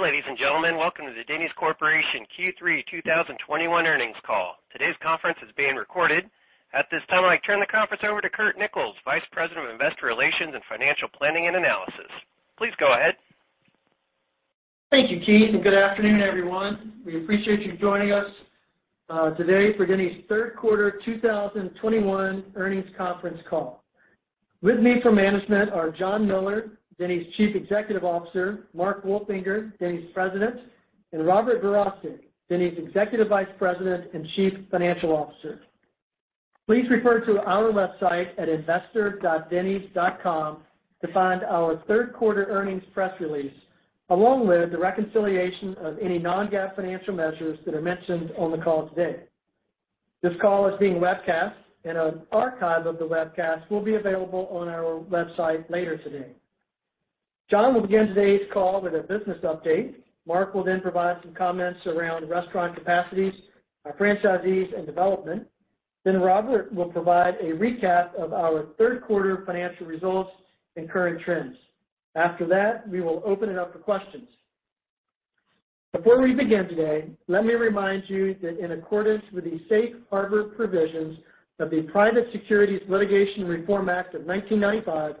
Good day, ladies and gentlemen. Welcome to the Denny's Corporation Q3 2021 earnings call. Today's conference is being recorded. At this time, I turn the conference over to Curt Nichols, Vice President of Investor Relations and Financial Planning and Analysis. Please go ahead. Thank you, Keith, and good afternoon, everyone. We appreciate you joining us today for Denny's third quarter 2021 earnings conference call. With me from management are John Miller, Denny's Chief Executive Officer, Mark Wolfinger, Denny's President, and Robert Verostek, Denny's Executive Vice President and Chief Financial Officer. Please refer to our website at investor.dennys.com to find our third quarter earnings press release, along with the reconciliation of any non-GAAP financial measures that are mentioned on the call today. This call is being webcast, and an archive of the webcast will be available on our website later today. John will begin today's call with a business update. Mark will then provide some comments around restaurant capacities, our franchisees, and development. Robert will provide a recap of our third quarter financial results and current trends. After that, we will open it up for questions. Before we begin today, let me remind you that in accordance with the safe harbor provisions of the Private Securities Litigation Reform Act of 1995,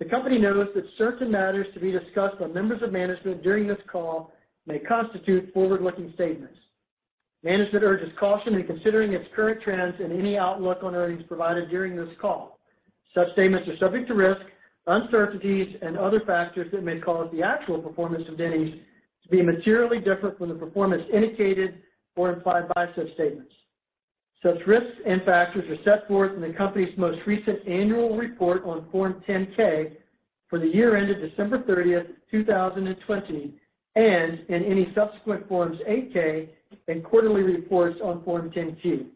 the company noticed that certain matters to be discussed by members of management during this call may constitute forward-looking statements. Management urges caution in considering its current trends and any outlook on earnings provided during this call. Such statements are subject to risk, uncertainties, and other factors that may cause the actual performance of Denny's to be materially different from the performance indicated or implied by such statements. Such risks and factors are set forth in the company's most recent annual report on Form 10-K for the year ended December 30, 2020, and in any subsequent Forms 8-K and quarterly reports on Form 10-Q.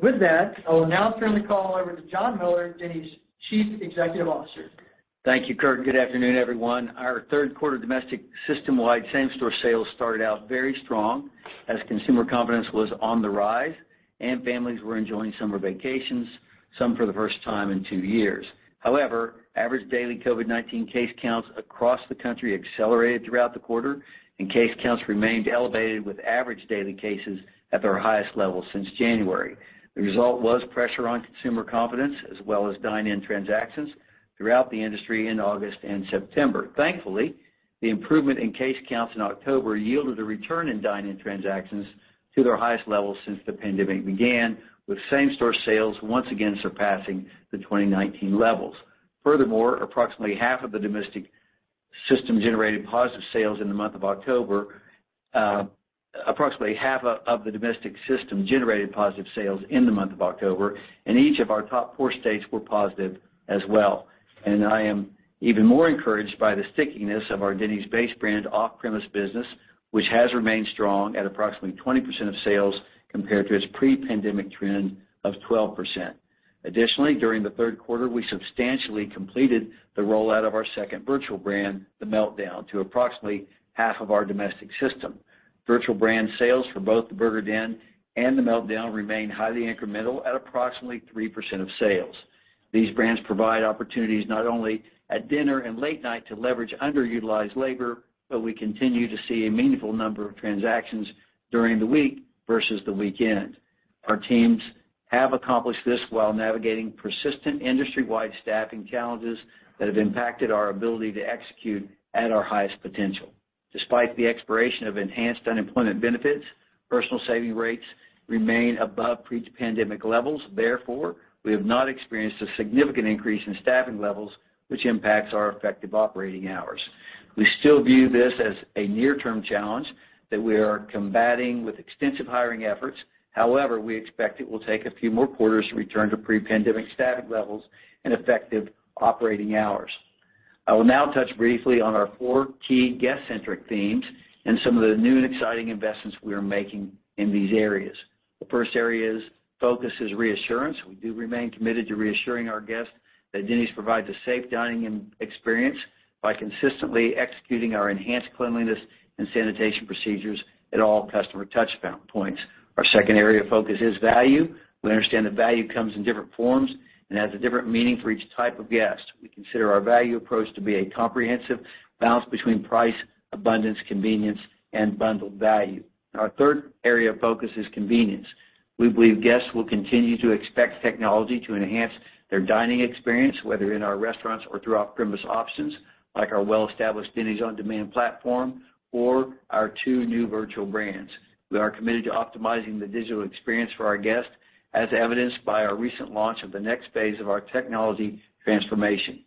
With that, I will now turn the call over to John Miller, Denny's Chief Executive Officer. Thank you, Curt, and good afternoon, everyone. Our third quarter domestic system-wide same-store sales started out very strong as consumer confidence was on the rise and families were enjoying summer vacations, some for the first time in two years. However, average daily COVID-19 case counts across the country accelerated throughout the quarter, and case counts remained elevated with average daily cases at their highest level since January. The result was pressure on consumer confidence as well as dine-in transactions throughout the industry in August and September. Thankfully, the improvement in case counts in October yielded a return in dine-in transactions to their highest levels since the pandemic began, with same-store sales once again surpassing the 2019 levels. Furthermore, approximately half of the domestic system generated positive sales in the month of October, and each of our top four states were positive as well. I am even more encouraged by the stickiness of our Denny's base brand off-premise business, which has remained strong at approximately 20% of sales compared to its pre-pandemic trend of 12%. Additionally, during the third quarter, we substantially completed the rollout of our second virtual brand, The Meltdown, to approximately half of our domestic system. Virtual brand sales for both The Burger Den and The Meltdown remain highly incremental at approximately 3% of sales. These brands provide opportunities not only at dinner and late-night to leverage underutilized labor, but we continue to see a meaningful number of transactions during the week versus the weekend. Our teams have accomplished this while navigating persistent industry-wide staffing challenges that have impacted our ability to execute at our highest potential. Despite the expiration of enhanced unemployment benefits, personal saving rates remain above pre-pandemic levels. Therefore, we have not experienced a significant increase in staffing levels, which impacts our effective operating hours. We still view this as a near-term challenge that we are combating with extensive hiring efforts. However, we expect it will take a few more quarters to return to pre-pandemic staffing levels and effective operating hours. I will now touch briefly on our four key guest-centric themes and some of the new and exciting investments we are making in these areas. The first area's focus is reassurance. We do remain committed to reassuring our guests that Denny's provides a safe dining experience by consistently executing our enhanced cleanliness and sanitation procedures at all customer touchpoints. Our second area of focus is value. We understand that value comes in different forms and has a different meaning for each type of guest. We consider our value approach to be a comprehensive balance between price, abundance, convenience, and bundled value. Our third area of focus is convenience. We believe guests will continue to expect technology to enhance their dining experience, whether in our restaurants or through off-premise options like our well-established Denny's On Demand platform or our two new virtual brands. We are committed to optimizing the digital experience for our guests, as evidenced by our recent launch of the next phase of our technology transformation.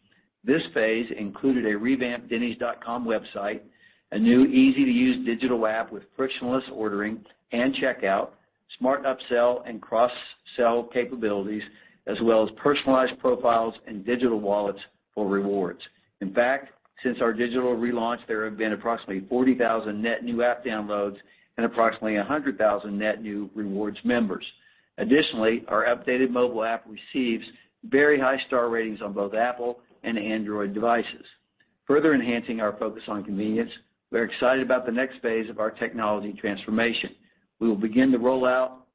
This phase included a revamped dennys.com website, a new easy-to-use digital app with frictionless ordering and checkout, smart upsell and cross-sell capabilities, as well as personalized profiles and digital wallets for rewards. In fact, since our digital relaunch, there have been approximately 40,000 net new app downloads and approximately 100,000 net new rewards members. Additionally, our updated mobile app receives very high star ratings on both Apple and Android devices. Further enhancing our focus on convenience, we are excited about the next phase of our technology transformation. We will begin to roll out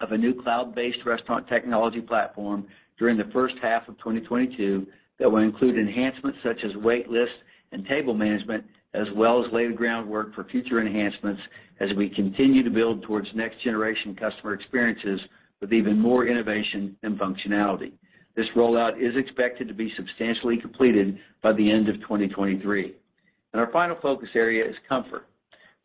of a new cloud-based restaurant technology platform during the first half of 2022 that will include enhancements such as wait list and table management, as well as lay the groundwork for future enhancements as we continue to build towards next-generation customer experiences with even more innovation and functionality. This rollout is expected to be substantially completed by the end of 2023. Our final focus area is comfort.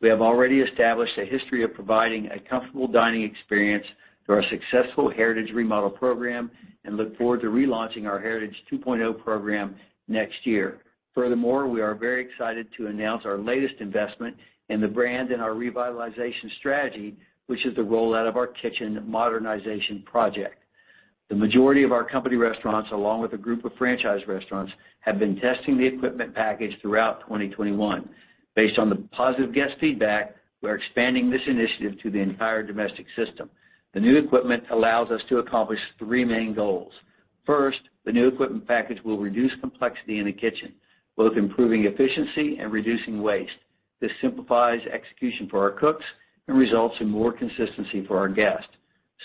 We have already established a history of providing a comfortable dining experience through our successful Heritage remodel program and look forward to relaunching our Heritage 2.0 program next year. Furthermore, we are very excited to announce our latest investment in the brand and our revitalization strategy, which is the rollout of our kitchen modernization project. The majority of our company restaurants, along with a group of franchise restaurants, have been testing the equipment package throughout 2021. Based on the positive guest feedback, we're expanding this initiative to the entire domestic system. The new equipment allows us to accomplish three main goals. First, the new equipment package will reduce complexity in the kitchen, both improving efficiency and reducing waste. This simplifies execution for our cooks and results in more consistency for our guests.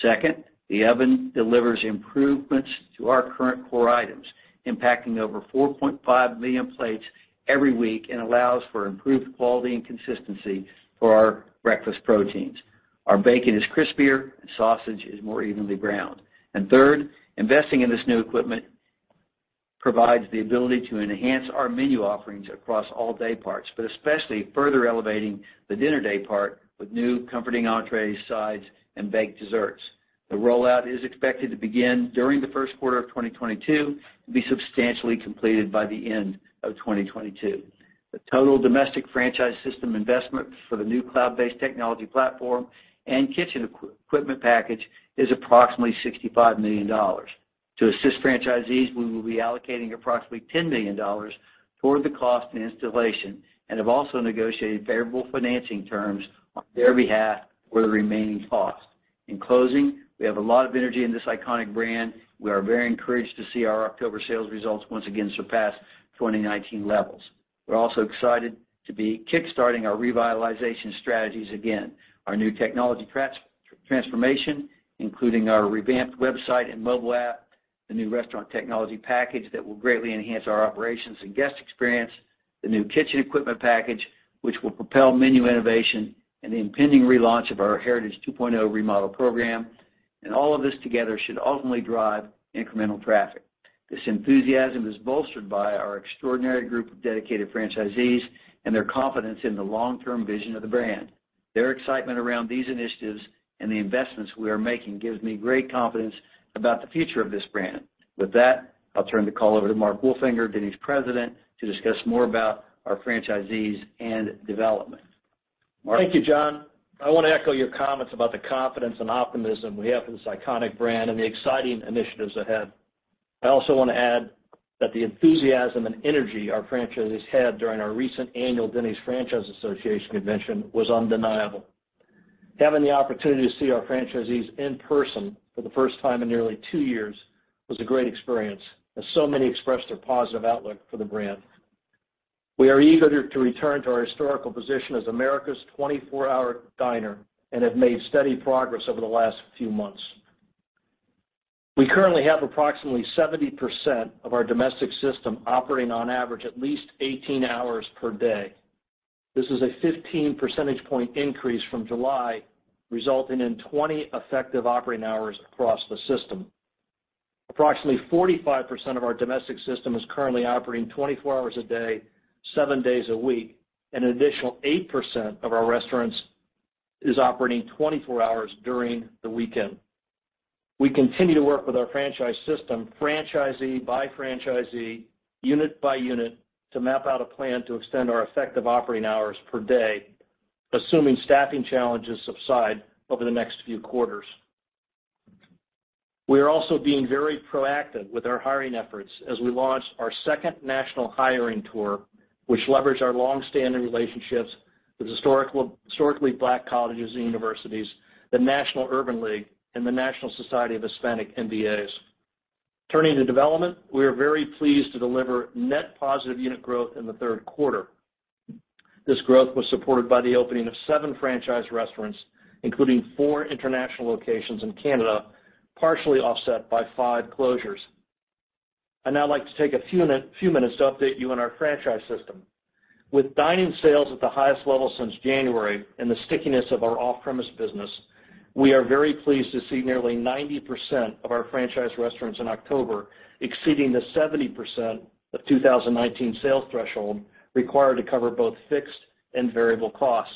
Second, the oven delivers improvements to our current core items, impacting over 4.5 million plates every week, and allows for improved quality and consistency for our breakfast proteins. Our bacon is crispier and sausage is more evenly ground. Third, investing in this new equipment provides the ability to enhance our menu offerings across all day parts, but especially further elevating the dinner day part with new comforting entrees, sides, and baked desserts. The rollout is expected to begin during the first quarter of 2022 and be substantially completed by the end of 2022. The total domestic franchise system investment for the new cloud-based technology platform and kitchen equipment package is approximately $65 million. To assist franchisees, we will be allocating approximately $10 million toward the cost and installation and have also negotiated favorable financing terms on their behalf for the remaining cost. In closing, we have a lot of energy in this iconic brand. We are very encouraged to see our October sales results once again surpass 2019 levels. We're also excited to be kick-starting our revitalization strategies again. Our new technology transformation, including our revamped website and mobile app, the new restaurant technology package that will greatly enhance our operations and guest experience, the new kitchen equipment package, which will propel menu innovation, and the impending relaunch of our Heritage 2.0 remodel program, and all of this together should ultimately drive incremental traffic. This enthusiasm is bolstered by our extraordinary group of dedicated franchisees and their confidence in the long-term vision of the brand. Their excitement around these initiatives and the investments we are making gives me great confidence about the future of this brand. With that, I'll turn the call over to Mark Wolfinger, Denny's President, to discuss more about our franchisees and development. Mark? Thank you, John. I want to echo your comments about the confidence and optimism we have for this iconic brand and the exciting initiatives ahead. I also want to add that the enthusiasm and energy our franchisees had during our recent annual Denny's Franchisee Association Convention was undeniable. Having the opportunity to see our franchisees in person for the first time in nearly two years was a great experience, as so many expressed their positive outlook for the brand. We are eager to return to our historical position as America's 24-hour diner and have made steady progress over the last few months. We currently have approximately 70% of our domestic system operating on average at least 18 hours per day. This is a 15 percentage point increase from July, resulting in 20 effective operating hours across the system. Approximately 45% of our domestic system is currently operating 24 hours a day, 7 days a week, and an additional 8% of our restaurants is operating 24 hours during the weekend. We continue to work with our franchise system, franchisee by franchisee, unit by unit, to map out a plan to extend our effective operating hours per day, assuming staffing challenges subside over the next few quarters. We are also being very proactive with our hiring efforts as we launch our second national hiring tour, which leverage our long-standing relationships with Historically Black Colleges and Universities, the National Urban League, and the National Society of Hispanic MBAs. Turning to development, we are very pleased to deliver net positive unit growth in the third quarter. This growth was supported by the opening of 7 franchise restaurants, including 4 international locations in Canada, partially offset by 5 closures. I'd now like to take a few minutes to update you on our franchise system. With dining sales at the highest level since January and the stickiness of our off-premise business, we are very pleased to see nearly 90% of our franchise restaurants in October exceeding the 70% of 2019 sales threshold required to cover both fixed and variable costs.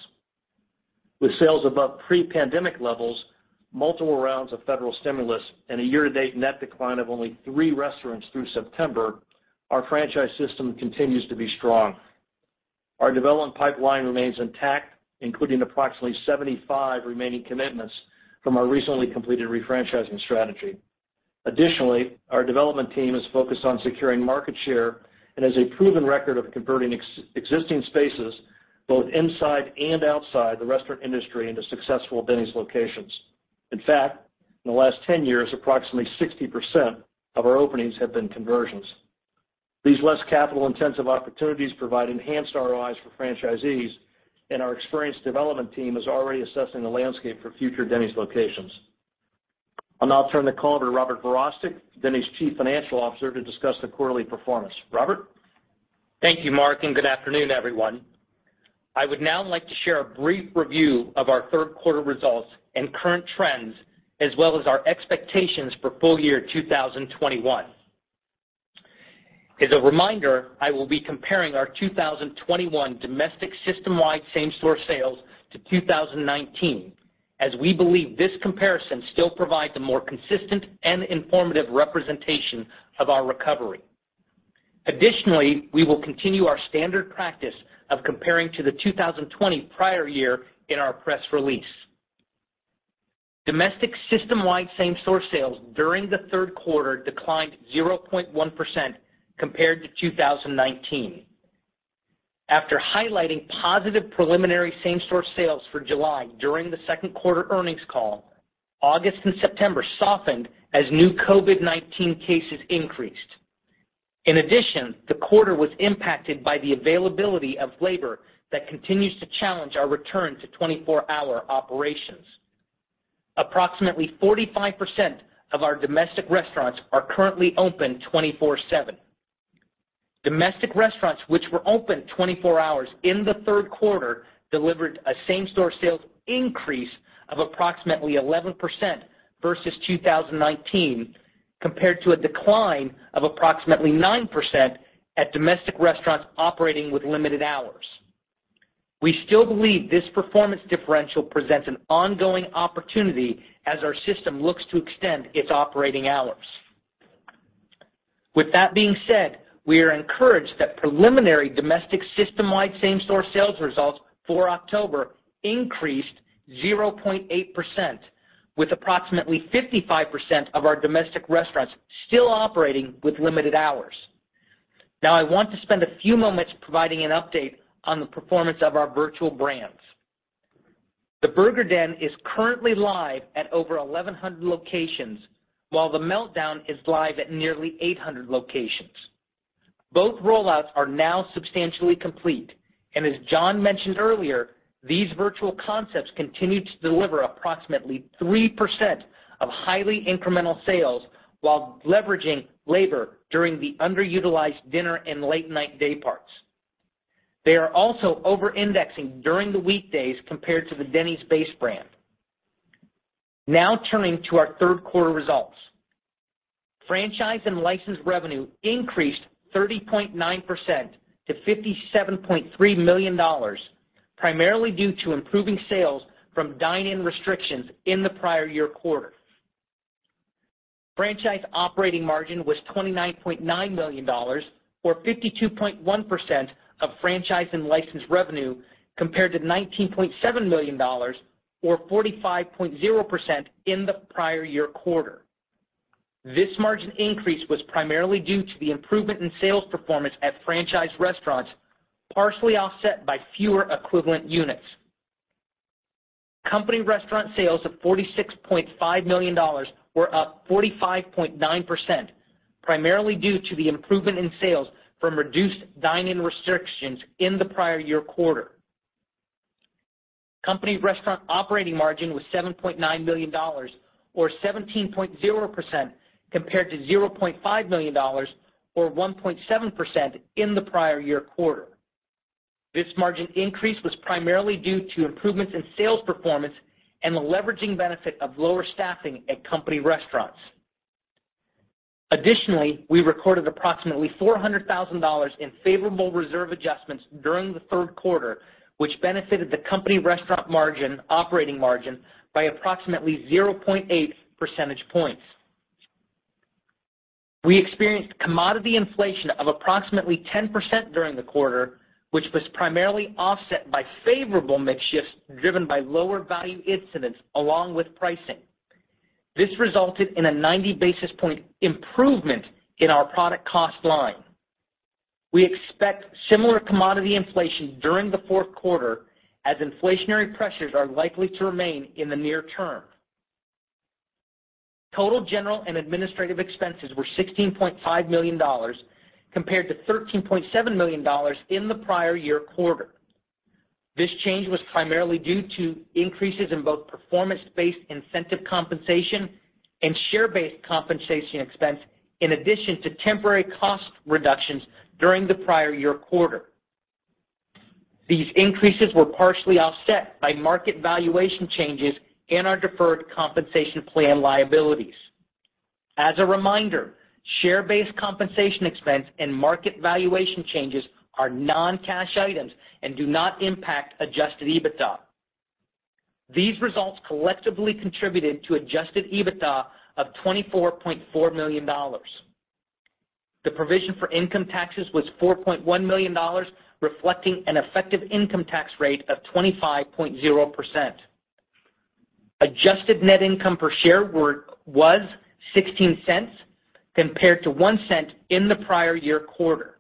With sales above pre-pandemic levels, multiple rounds of federal stimulus, and a year-to-date net decline of only 3 restaurants through September, our franchise system continues to be strong. Our development pipeline remains intact, including approximately 75 remaining commitments from our recently completed refranchising strategy. Additionally, our development team is focused on securing market share and has a proven record of converting existing spaces both inside and outside the restaurant industry into successful Denny's locations. In fact, in the last 10 years, approximately 60% of our openings have been conversions. These less capital intensive opportunities provide enhanced ROIs for franchisees, and our experienced development team is already assessing the landscape for future Denny's locations. I'll now turn the call over to Robert Verostek, Denny's Chief Financial Officer, to discuss the quarterly performance. Robert? Thank you, Mark, and good afternoon, everyone. I would now like to share a brief review of our third quarter results and current trends, as well as our expectations for full year 2021. As a reminder, I will be comparing our 2021 domestic system-wide same-store sales to 2019, as we believe this comparison still provides a more consistent and informative representation of our recovery. Additionally, we will continue our standard practice of comparing to the 2020 prior year in our press release. Domestic system-wide same-store sales during the third quarter declined 0.1% compared to 2019. After highlighting positive preliminary same-store sales for July during the second quarter earnings call, August and September softened as new COVID-19 cases increased. In addition, the quarter was impacted by the availability of labor that continues to challenge our return to 24-hour operations. Approximately 45% of our domestic restaurants are currently open 24/7. Domestic restaurants which were open 24 hours in the third quarter delivered a same-store sales increase of approximately 11% versus 2019, compared to a decline of approximately 9% at domestic restaurants operating with limited hours. We still believe this performance differential presents an ongoing opportunity as our system looks to extend its operating hours. With that being said, we are encouraged that preliminary domestic system-wide same-store sales results for October increased 0.8%, with approximately 55% of our domestic restaurants still operating with limited hours. Now I want to spend a few moments providing an update on the performance of our virtual brands. The Burger Den is currently live at over 1,100 locations, while The Meltdown is live at nearly 800 locations. Both rollouts are now substantially complete, and as John mentioned earlier, these virtual concepts continue to deliver approximately 3% of highly incremental sales while leveraging labor during the underutilized dinner and late-night day parts. They are also over-indexing during the weekdays compared to the Denny's base brand. Now turning to our third quarter results. Franchise and license revenue increased 30.9% to $57.3 million, primarily due to improving sales from dine-in restrictions in the prior year quarter. Franchise operating margin was $29.9 million, or 52.1% of franchise and license revenue, compared to $19.7 million or 45.0% in the prior year quarter. This margin increase was primarily due to the improvement in sales performance at franchise restaurants, partially offset by fewer equivalent units. Company restaurant sales of $46.5 million were up 45.9%, primarily due to the improvement in sales from reduced dine-in restrictions in the prior year quarter. Company restaurant operating margin was $7.9 million or 17.0% compared to $0.5 million or 1.7% in the prior year quarter. This margin increase was primarily due to improvements in sales performance and the leveraging benefit of lower staffing at company restaurants. Additionally, we recorded approximately $400,000 in favorable reserve adjustments during the third quarter, which benefited the company restaurant operating margin by approximately 0.8 percentage points. We experienced commodity inflation of approximately 10% during the quarter, which was primarily offset by favorable mix shifts driven by lower value incidents along with pricing. This resulted in a 90 basis point improvement in our product cost line. We expect similar commodity inflation during the fourth quarter as inflationary pressures are likely to remain in the near term. Total general and administrative expenses were $16.5 million compared to $13.7 million in the prior year quarter. This change was primarily due to increases in both performance-based incentive compensation and share-based compensation expense, in addition to temporary cost reductions during the prior year quarter. These increases were partially offset by market valuation changes in our deferred compensation plan liabilities. As a reminder, share-based compensation expense and market valuation changes are non-cash items and do not impact adjusted EBITDA. These results collectively contributed to adjusted EBITDA of $24.4 million. The provision for income taxes was $4.1 million, reflecting an effective income tax rate of 25.0%. Adjusted net income per share was $0.16 compared to $0.01 in the prior year quarter.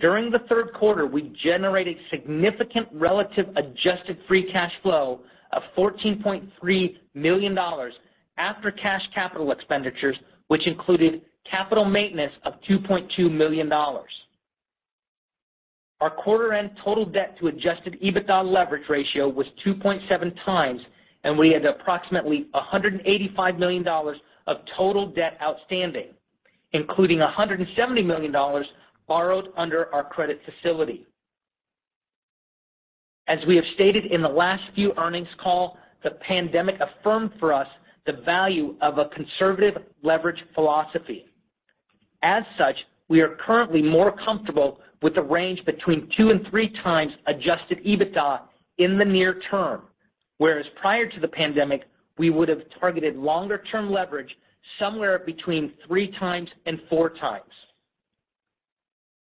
During the third quarter, we generated significant relative adjusted free cash flow of $14.3 million after cash capital expenditures, which included capital maintenance of $2.2 million. Our quarter end total debt to adjusted EBITDA leverage ratio was 2.7x, and we had approximately $185 million of total debt outstanding, including $170 million borrowed under our credit facility. As we have stated in the last few earnings call, the pandemic affirmed for us the value of a conservative leverage philosophy. As such, we are currently more comfortable with the range between 2-3 times adjusted EBITDA in the near term. Whereas prior to the pandemic, we would have targeted longer-term leverage somewhere between 3-4 times.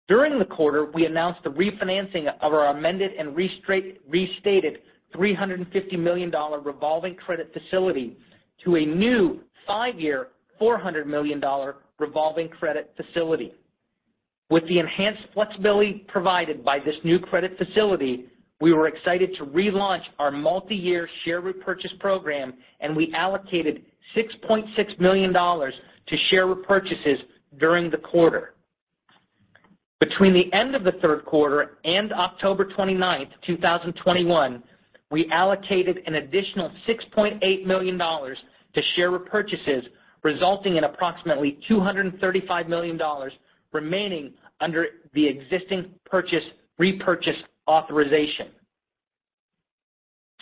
During the quarter, we announced the refinancing of our amended and restated $350 million revolving credit facility to a new five-year, $400 million revolving credit facility. With the enhanced flexibility provided by this new credit facility, we were excited to relaunch our multiyear share repurchase program, and we allocated $6.6 million to share repurchases during the quarter. Between the end of the third quarter and October 29, 2021, we allocated an additional $6.8 million to share repurchases, resulting in approximately $235 million remaining under the existing repurchase authorization.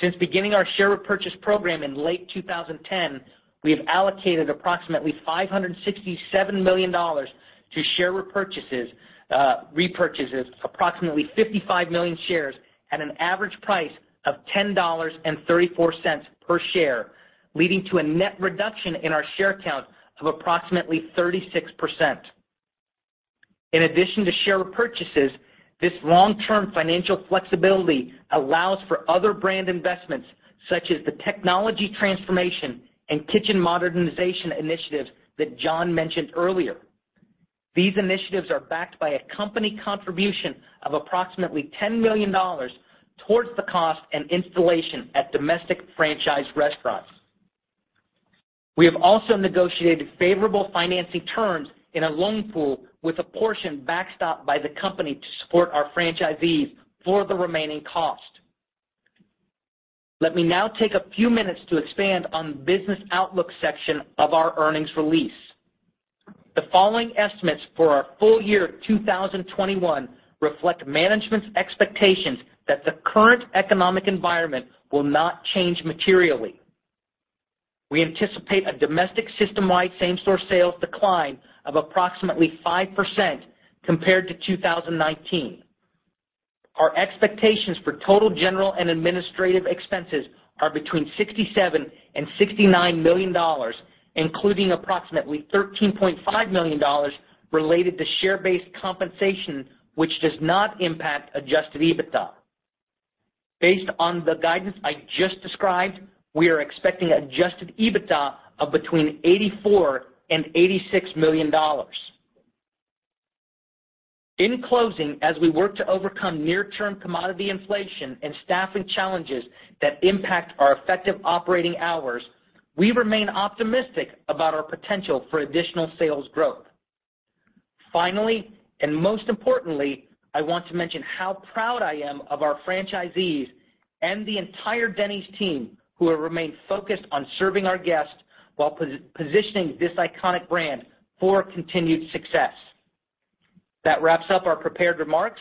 Since beginning our share repurchase program in late 2010, we have allocated approximately $567 million to share repurchases, approximately 55 million shares at an average price of $10.34 per share, leading to a net reduction in our share count of approximately 36%. In addition to share repurchases, this long-term financial flexibility allows for other brand investments, such as the technology transformation and kitchen modernization initiatives that John mentioned earlier. These initiatives are backed by a company contribution of approximately $10 million towards the cost and installation at domestic franchise restaurants. We have also negotiated favorable financing terms in a loan pool with a portion backstopped by the company to support our franchisees for the remaining cost. Let me now take a few minutes to expand on the business outlook section of our earnings release. The following estimates for our full year 2021 reflect management's expectations that the current economic environment will not change materially. We anticipate a domestic system-wide same-store sales decline of approximately 5% compared to 2019. Our expectations for total general and administrative expenses are between $67 million and $69 million, including approximately $13.5 million related to share-based compensation, which does not impact adjusted EBITDA. Based on the guidance I just described, we are expecting adjusted EBITDA of between $84 million and $86 million. In closing, as we work to overcome near-term commodity inflation and staffing challenges that impact our effective operating hours, we remain optimistic about our potential for additional sales growth. Finally, and most importantly, I want to mention how proud I am of our franchisees and the entire Denny's team who have remained focused on serving our guests while positioning this iconic brand for continued success. That wraps up our prepared remarks.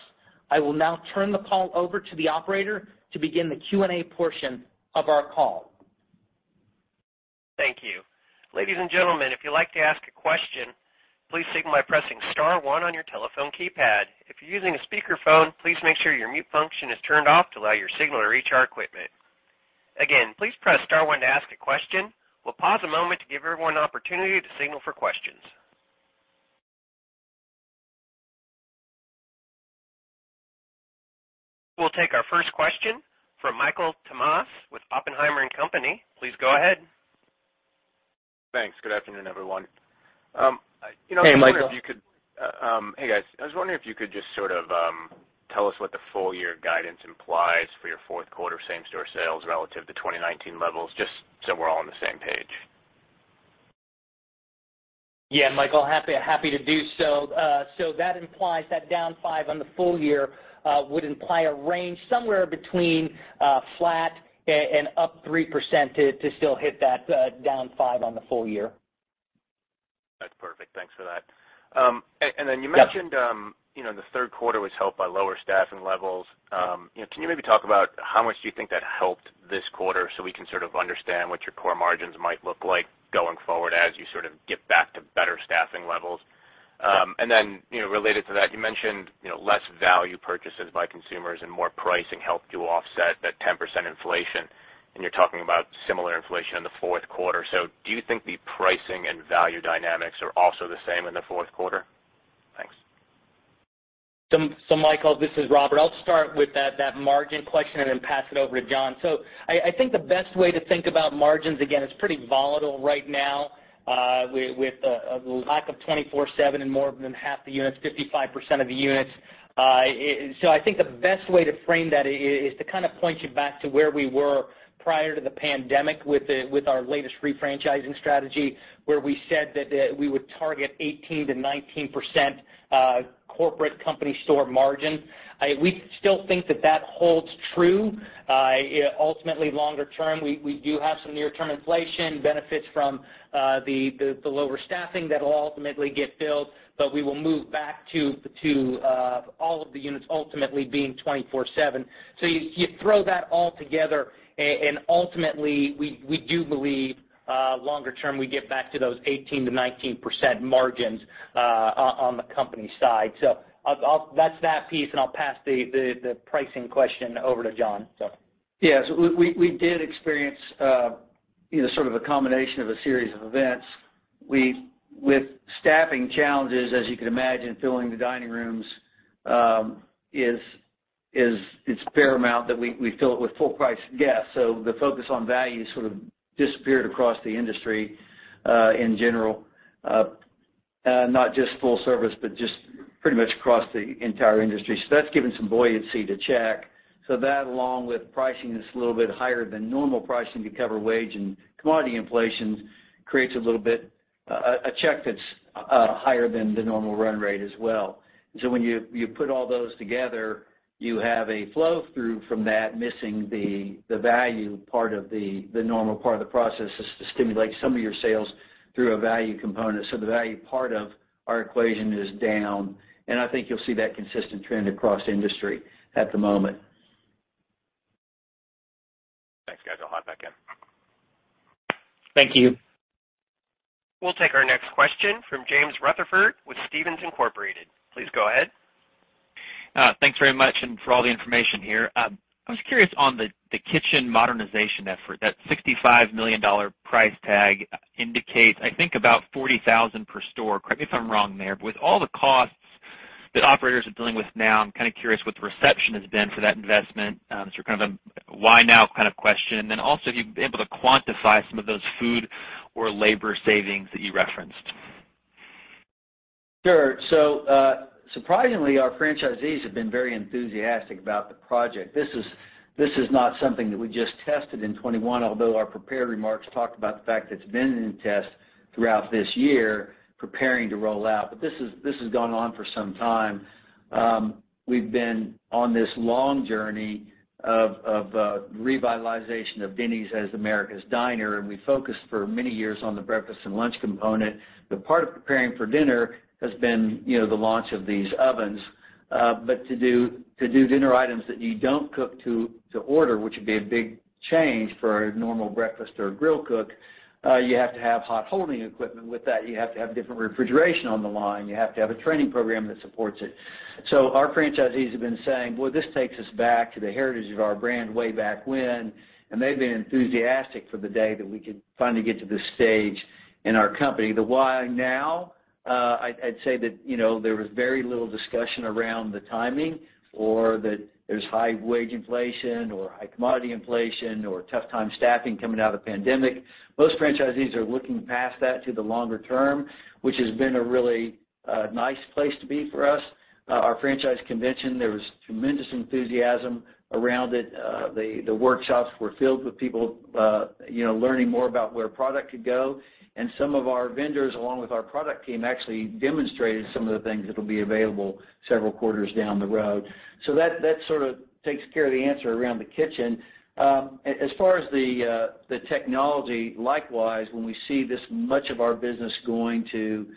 I will now turn the call over to the operator to begin the Q&A portion of our call. Thank you. Ladies and gentlemen, if you'd like to ask a question, please signal by pressing star one on your telephone keypad. If you're using a speakerphone, please make sure your mute function is turned off to allow your signal to reach our equipment. Again, please press star one to ask a question. We'll pause a moment to give everyone an opportunity to signal for questions. We'll take our first question from Michael Tamas with Oppenheimer & Company. Please go ahead. Thanks. Good afternoon, everyone. You know, Hey, Michael. Hey, guys. I was wondering if you could just sort of tell us what the full-year guidance implies for your fourth quarter same-store sales relative to 2019 levels, just so we're all on the same page. Yeah, Michael, happy to do so. That implies that down 5% on the full year would imply a range somewhere between flat and up 3% to still hit that down 5% on the full year. That's perfect. Thanks for that. You mentioned Yep. You know, the third quarter was helped by lower staffing levels. You know, can you maybe talk about how much do you think that helped this quarter so we can sort of understand what your core margins might look like going forward as you sort of get back to better staffing levels? You know, related to that, you mentioned, you know, less value purchases by consumers and more pricing helped you offset that 10% inflation. You're talking about similar inflation in the fourth quarter. Do you think the pricing and value dynamics are also the same in the fourth quarter? Thanks. Michael, this is Robert. I'll start with that margin question and then pass it over to John. I think the best way to think about margins, again, it's pretty volatile right now, with lack of 24/7 in more than half the units, 55% of the units. I think the best way to frame that is to kind of point you back to where we were prior to the pandemic with our latest refranchising strategy, where we said that we would target 18%-19% corporate company store margin. We still think that holds true. Yeah, ultimately, longer term, we do have some near-term inflation benefits from the lower staffing that will ultimately get built, but we will move back to all of the units ultimately being 24/7. You throw that all together and ultimately we do believe, longer term, we get back to those 18%-19% margins on the company side. That's that piece, and I'll pass the pricing question over to John. Yes. We did experience, you know, sort of a combination of a series of events. With staffing challenges, as you can imagine, filling the dining rooms is paramount that we fill it with full-price guests. The focus on value sort of disappeared across the industry, in general, not just full-service, but just pretty much across the entire industry. That's given some buoyancy to check. That, along with pricing, is a little bit higher than normal pricing to cover wage and commodity inflation creates a little bit a check that's higher than the normal run rate as well. When you put all those together, you have a flow through from that missing the value part. The normal part of the process is to stimulate some of your sales through a value component. The value part of our equation is down, and I think you'll see that consistent trend across the industry at the moment. Thanks, guys. I'll hop back in. Thank you. We'll take our next question from James Rutherford with Stephens Inc. Please go ahead. Thanks very much for all the information here. I was curious on the kitchen modernization effort. That $65 million price tag indicates, I think about $40,000 per store. Correct me if I'm wrong there. With all the costs that operators are dealing with now, I'm kind of curious what the reception has been to that investment. Kind of a why now kind of question. Also if you'd be able to quantify some of those food or labor savings that you referenced. Sure. Surprisingly, our franchisees have been very enthusiastic about the project. This is not something that we just tested in 2021, although our prepared remarks talked about the fact that it's been in test throughout this year preparing to roll out. This has gone on for some time. We've been on this long journey of revitalization of Denny's as America's diner, and we focused for many years on the breakfast and lunch component. The part of preparing for dinner has been, you know, the launch of these ovens. To do dinner items that you don't cook to order, which would be a big change for a normal breakfast or a grill cook, you have to have hot holding equipment. With that, you have to have different refrigeration on the line. You have to have a training program that supports it. Our franchisees have been saying, "Well, this takes us back to the Heritage of our brand way back when," and they've been enthusiastic for the day that we could finally get to this stage in our company. The why now, I'd say that, you know, there was very little discussion around the timing or that there's high wage inflation or high commodity inflation or tough time staffing coming out of the pandemic. Most franchisees are looking past that to the longer term, which has been a really, nice place to be for us. Our franchise convention, there was tremendous enthusiasm around it. The workshops were filled with people, you know, learning more about where product could go. Some of our vendors, along with our product team, actually demonstrated some of the things that'll be available several quarters down the road. That sort of takes care of the answer around the kitchen. As far as the technology, likewise, when we see this much of our business going to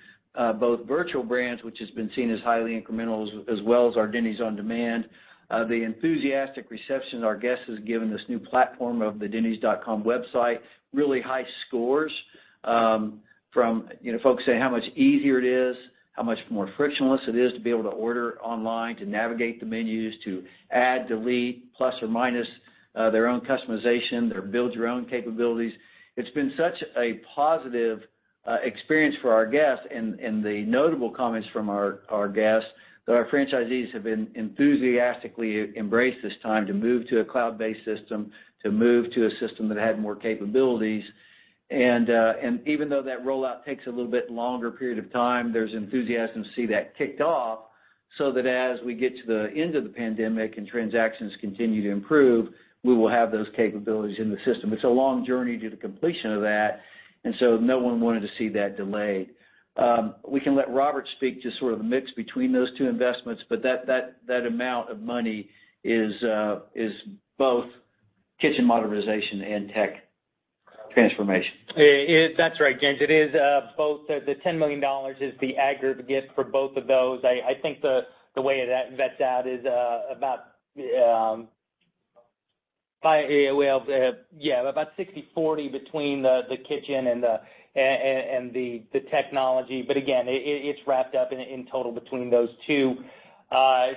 both virtual brands, which has been seen as highly incremental, as well as our Denny's on Demand, the enthusiastic reception our guests has given this new platform of the dennys.com website, really high scores, from, you know, folks saying how much easier it is, how much more frictionless it is to be able to order online, to navigate the menus, to add, delete, plus or minus, their own customization, their build-your-own capabilities. It's been such a positive experience for our guests and the notable comments from our guests that our franchisees have enthusiastically embraced this time to move to a cloud-based system, to move to a system that had more capabilities. Even though that rollout takes a little bit longer period of time, there's enthusiasm to see that kicked off so that as we get to the end of the pandemic and transactions continue to improve, we will have those capabilities in the system. It's a long journey to the completion of that. No one wanted to see that delayed. We can let Robert speak to sort of the mix between those two investments, but that amount of money is both kitchen modernization and tech transformation. That's right, James. It is both. The $10 million is the aggregate for both of those. I think the way that vets out is about 60/40 between the kitchen and the technology. But again, it's wrapped up in total between those two.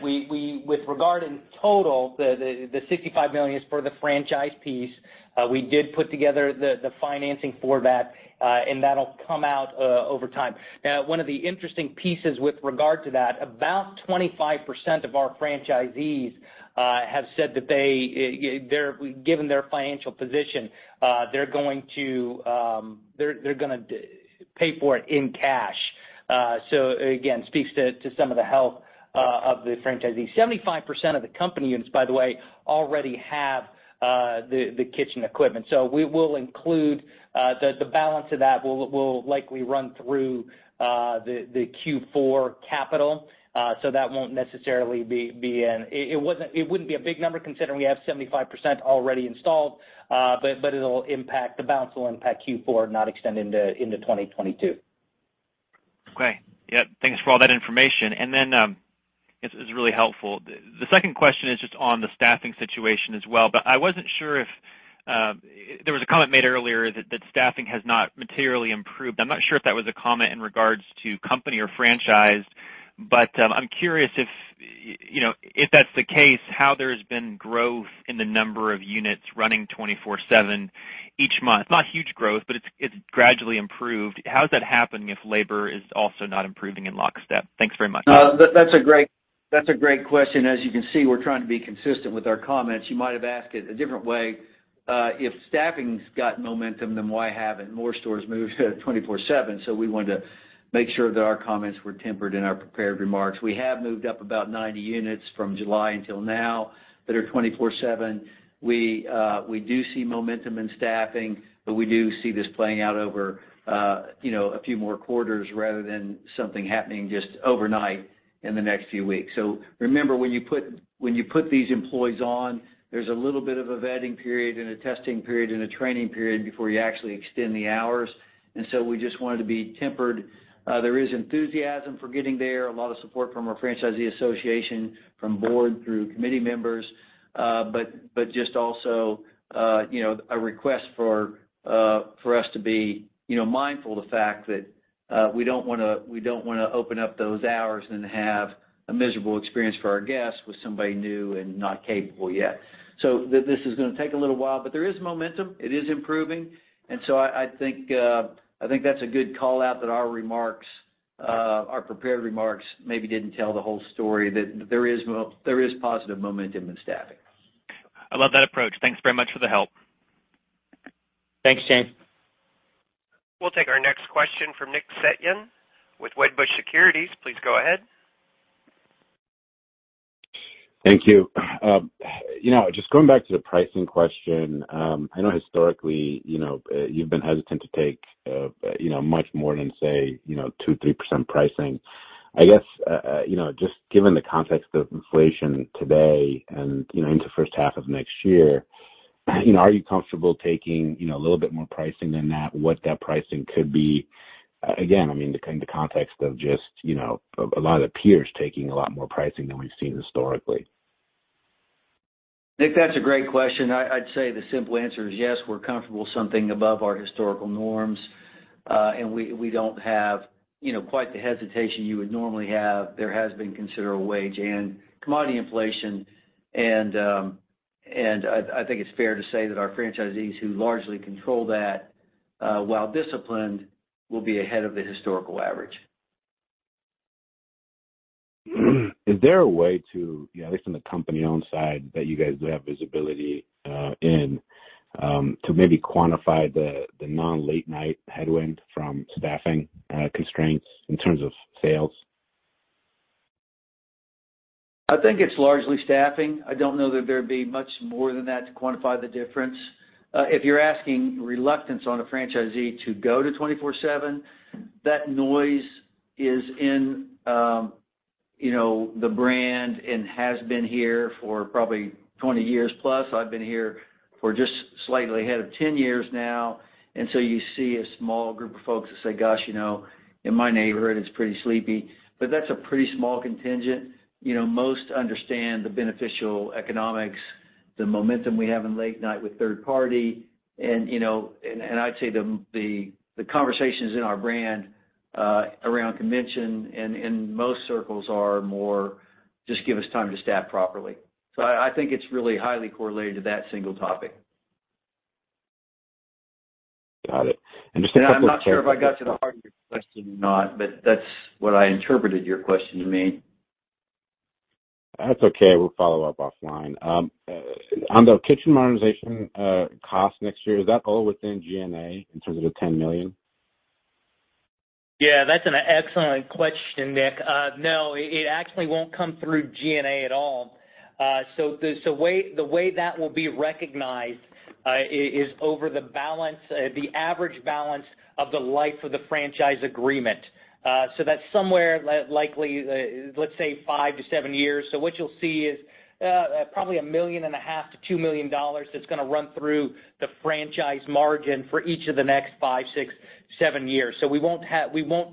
With regard in total, the $65 million is for the franchise piece. We did put together the financing for that, and that'll come out over time. Now, one of the interesting pieces with regard to that, about 25% of our franchisees have said that, given their financial position, they're going to pay for it in cash, so again, speaks to some of the health of the franchisee. 75% of the company units, by the way, already have the kitchen equipment. We will include the balance of that will likely run through the Q4 capital. That won't necessarily be a big number considering we have 75% already installed, but the balance will impact Q4, not extend into 2022. Okay. Yep. Thanks for all that information. This is really helpful. The second question is just on the staffing situation as well, but I wasn't sure if there was a comment made earlier that staffing has not materially improved. I'm not sure if that was a comment in regards to company or franchise. I'm curious if, you know, if that's the case, how there's been growth in the number of units running 24/7 each month. Not huge growth, but it's gradually improved. How does that happen if labor is also not improving in lockstep? Thanks very much. That's a great question. As you can see, we're trying to be consistent with our comments. You might have asked it a different way. If staffing's got momentum, then why haven't more stores moved to 24/7? We wanted to make sure that our comments were tempered in our prepared remarks. We have moved up about 90 units from July until now that are 24/7. We do see momentum in staffing, but we do see this playing out over, you know, a few more quarters rather than something happening just overnight in the next few weeks. Remember, when you put these employees on, there's a little bit of a vetting period and a testing period and a training period before you actually extend the hours. We just wanted to be tempered. There is enthusiasm for getting there, a lot of support from our Franchisee Association, from board through committee members, but just also, you know, a request for us to be, you know, mindful of the fact that we don't wanna open up those hours and have a miserable experience for our guests with somebody new and not capable yet. This is gonna take a little while, there is momentum, it is improving. I think that's a good call out that our remarks, our prepared remarks maybe didn't tell the whole story that there is positive momentum in staffing. I love that approach. Thanks very much for the help. Thanks, James. We'll take our next question from Nick Setyan with Wedbush Securities. Please go ahead. Thank you. You know, just going back to the pricing question, I know historically, you know, you've been hesitant to take, you know, much more than, say, you know, 2%-3% pricing. I guess, you know, just given the context of inflation today and, you know, into the first half of next year, you know, are you comfortable taking, you know, a little bit more pricing than that? What that pricing could be? Again, I mean, in the context of just, you know, a lot of the peers taking a lot more pricing than we've seen historically. Nick, that's a great question. I'd say the simple answer is yes, we're comfortable something above our historical norms. We don't have, you know, quite the hesitation you would normally have. There has been considerable wage and commodity inflation. I think it's fair to say that our franchisees who largely control that, while disciplined, will be ahead of the historical average. Is there a way to, at least on the company-owned side, that you guys do have visibility in to maybe quantify the non-late-night headwind from staffing constraints in terms of sales? I think it's largely staffing. I don't know that there'd be much more than that to quantify the difference. If you're asking reluctance on a franchisee to go to 24/7, that noise is in, you know, the brand and has been here for probably 20 years plus. I've been here for just slightly ahead of 10 years now. You see a small group of folks that say, "Gosh, you know, in my neighborhood, it's pretty sleepy." But that's a pretty small contingent. You know, most understand the beneficial economics, the momentum we have in late-night with third-party. You know, I'd say the conversations in our brand around conversion in most circles are more just give us time to staff properly. I think it's really highly correlated to that single topic. Got it. Just a couple- I'm not sure if I got to the heart of your question or not, but that's what I interpreted your question to mean. That's okay. We'll follow up offline. On the kitchen modernization cost next year, is that all within G&A in terms of the $10 million? Yeah, that's an excellent question, Nick. No, it actually won't come through G&A at all. The way that will be recognized is over the average balance of the life of the franchise agreement. That's somewhere like 5-7 years. What you'll see is probably $1.5 million-$2 million that's gonna run through the franchise margin for each of the next 5, 6, 7 years. We won't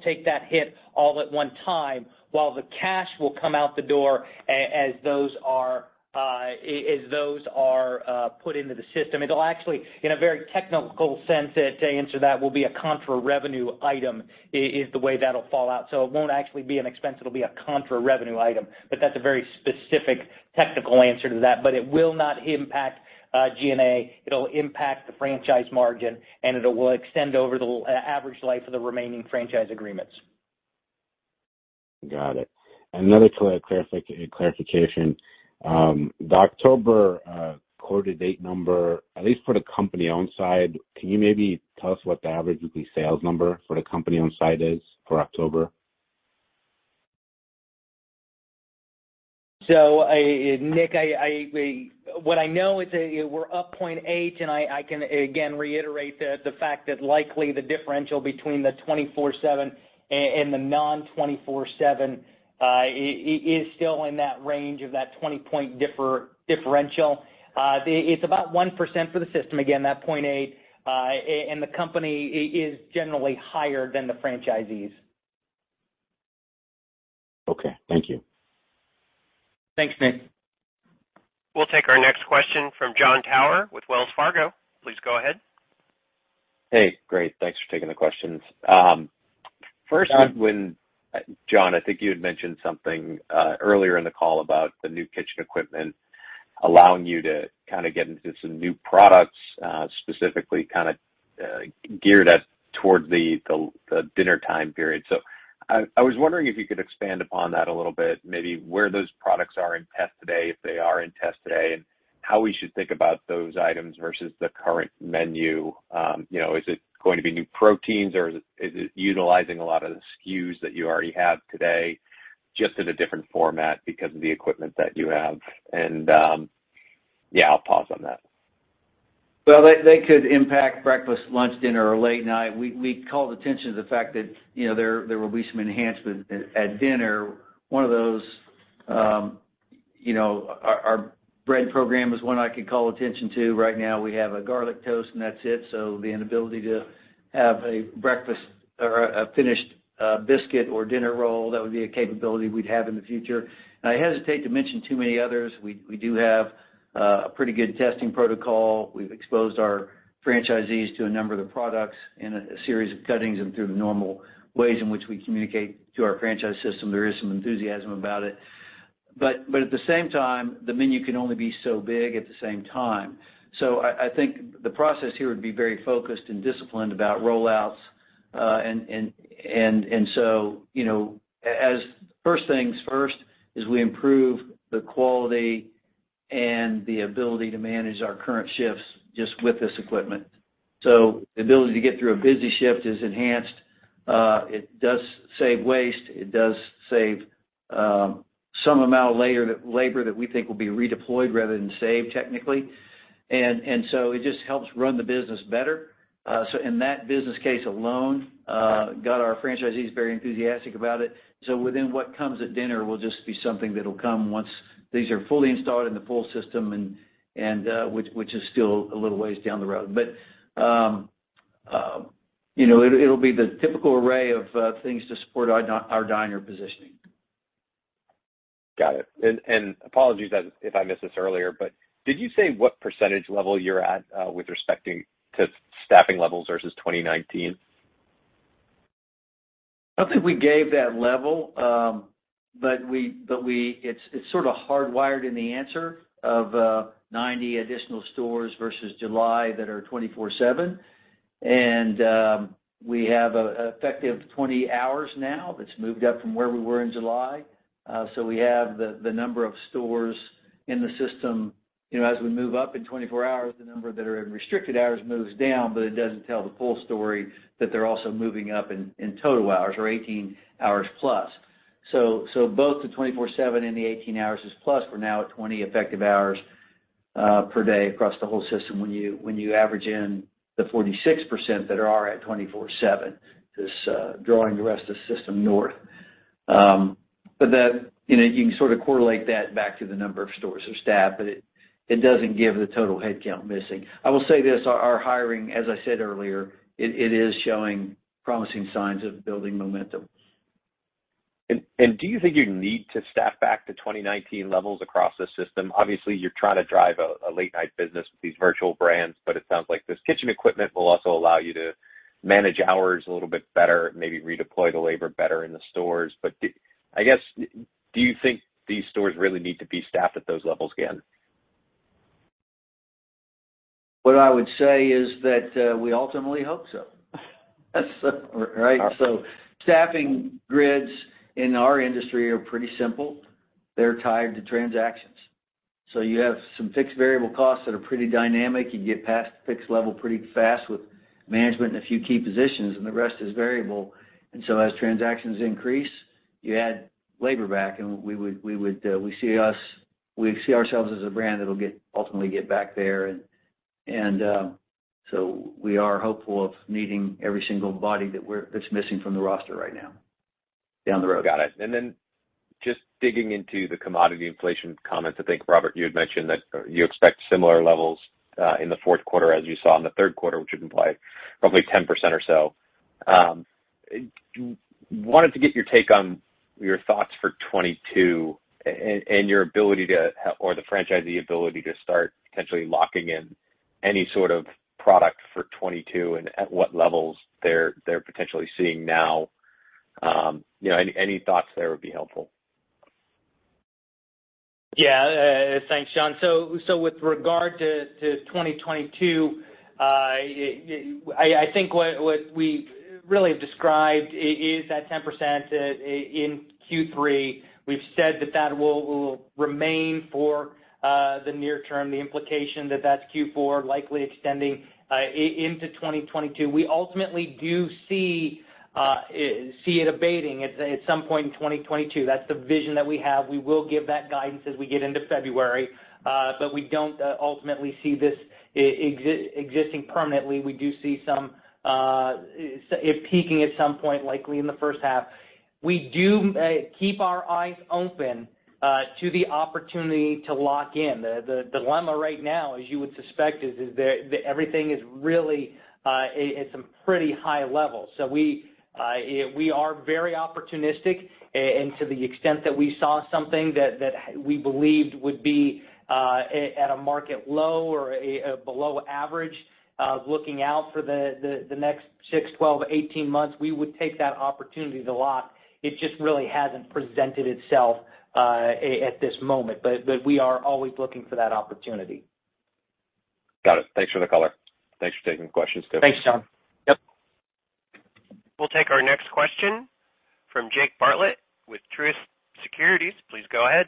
take that hit all at one time while the cash will come out the door as those are put into the system. It'll actually, in a very technical sense to answer that, will be a contra-revenue item is the way that'll fall out. It won't actually be an expense, it'll be a contra-revenue item. That's a very specific technical answer to that. It will not impact G&A. It'll impact the franchise margin, and it will extend over the average life of the remaining franchise agreements. Got it. Another clarification. The October quarter-to-date number, at least for the company-owned side, can you maybe tell us what the average sales number for the company-owned side is for October? Nick, what I know is that we're up 0.8%, and I can again reiterate the fact that likely the differential between the 24/7 and the non-24/7 is still in that range of that 20-point differential. It's about 1% for the system. Again, that 0.8%, and the company is generally higher than the franchisees. Okay, thank you. Thanks, Nick. We'll take our next question from Jon Tower with Wells Fargo. Please go ahead. Hey, great. Thanks for taking the questions. First when- John. John, I think you had mentioned something earlier in the call about the new kitchen equipment allowing you to kind of get into some new products, specifically kind of geared towards the dinner time period. I was wondering if you could expand upon that a little bit, maybe where those products are in test today, if they are in test today, and how we should think about those items versus the current menu. You know, is it going to be new proteins, or is it utilizing a lot of the SKUs that you already have today, just in a different format because of the equipment that you have? Yeah, I'll pause on that. Well, they could impact breakfast, lunch, dinner, or late-night. We called attention to the fact that, you know, there will be some enhancement at dinner. One of those, our bread program is one I could call attention to. Right now, we have a garlic toast, and that's it. The inability to have a breakfast or a finished biscuit or dinner roll, that would be a capability we'd have in the future. I hesitate to mention too many others. We do have a pretty good testing protocol. We've exposed our franchisees to a number of the products in a series of cuttings and through the normal ways in which we communicate to our franchise system. There is some enthusiasm about it. At the same time, the menu can only be so big at the same time. I think the process here would be very focused and disciplined about rollouts. You know, as first things first, we improve the quality and the ability to manage our current shifts just with this equipment. The ability to get through a busy shift is enhanced. It does save waste. It does save some amount of labor that we think will be redeployed rather than saved technically. So it just helps run the business better. In that business case alone, we got our franchisees very enthusiastic about it. Within what comes at dinner will just be something that'll come once these are fully installed in the full system and which is still a little ways down the road. You know, it'll be the typical array of things to support our diner positioning. Got it. Apologies if I missed this earlier, but did you say what percentage level you're at with respect to staffing levels versus 2019? I don't think we gave that level. It's sort of hardwired in the answer of 90 additional stores versus July that are 24/7. We have an effective 20 hours now. That's moved up from where we were in July. We have the number of stores in the system. You know, as we move up in 24 hours, the number that are in restricted hours moves down, but it doesn't tell the full story that they're also moving up in total hours or 18 hours plus. Both the 24/7 and the 18 hours is plus. We're now at 20 effective hours per day across the whole system when you average in the 46% that are at 24/7, just drawing the rest of the system north. That, you know, you can sort of correlate that back to the number of stores or staff, but it doesn't give the total headcount missing. I will say this. Our hiring, as I said earlier, it is showing promising signs of building momentum. Do you think you need to staff back to 2019 levels across the system? Obviously, you're trying to drive a late-night business with these virtual brands, but it sounds like this kitchen equipment will also allow you to manage hours a little bit better, maybe redeploy the labor better in the stores. I guess, do you think these stores really need to be staffed at those levels again? What I would say is that we ultimately hope so. Right? Staffing grids in our industry are pretty simple. They're tied to transactions. You have some fixed variable costs that are pretty dynamic. You get past the fixed level pretty fast with management in a few key positions, and the rest is variable. As transactions increase, you add labor back, and we would see ourselves as a brand that'll ultimately get back there. We are hopeful of needing every single body that's missing from the roster right now down the road. Got it. Just digging into the commodity inflation comments, I think, Robert, you had mentioned that you expect similar levels in the fourth quarter as you saw in the third quarter, which would imply probably 10% or so. Wanted to get your take on your thoughts for 2022 and your ability or the franchisee ability to start potentially locking in any sort of product for 2022 and at what levels they're potentially seeing now. You know, any thoughts there would be helpful. Thanks, Jon. With regard to 2022, I think what we really have described is that 10% in Q3. We've said that will remain for the near term, the implication that that's Q4 likely extending into 2022. We ultimately do see it abating at some point in 2022. That's the vision that we have. We will give that guidance as we get into February, but we don't ultimately see this existing permanently. We do see it peaking at some point, likely in the first half. We do keep our eyes open to the opportunity to lock in. The dilemma right now, as you would suspect, is that everything is really at some pretty high levels. We are very opportunistic. To the extent that we saw something that we believed would be at a market low or a below average of looking out for the next 6, 12, 18 months, we would take that opportunity to lock. It just really hasn't presented itself at this moment. We are always looking for that opportunity. Got it. Thanks for the color. Thanks for taking the questions, guys. Thanks, Jon. Yep. We'll take our next question from Jake Bartlett with Truist Securities. Please go ahead.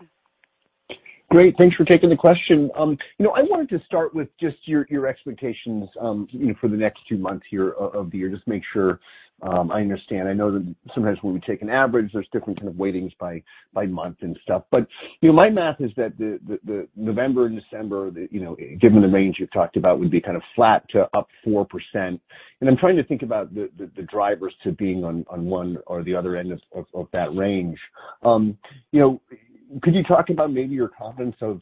Great. Thanks for taking the question. You know, I wanted to start with just your expectations, you know, for the next two months here of the year, just make sure I understand. I know that sometimes when we take an average, there's different kind of weightings by month and stuff. You know, my math is that the November and December, you know, given the range you've talked about, would be kind of flat to up 4%. I'm trying to think about the drivers to being on one or the other end of that range. You know, could you talk about maybe your confidence of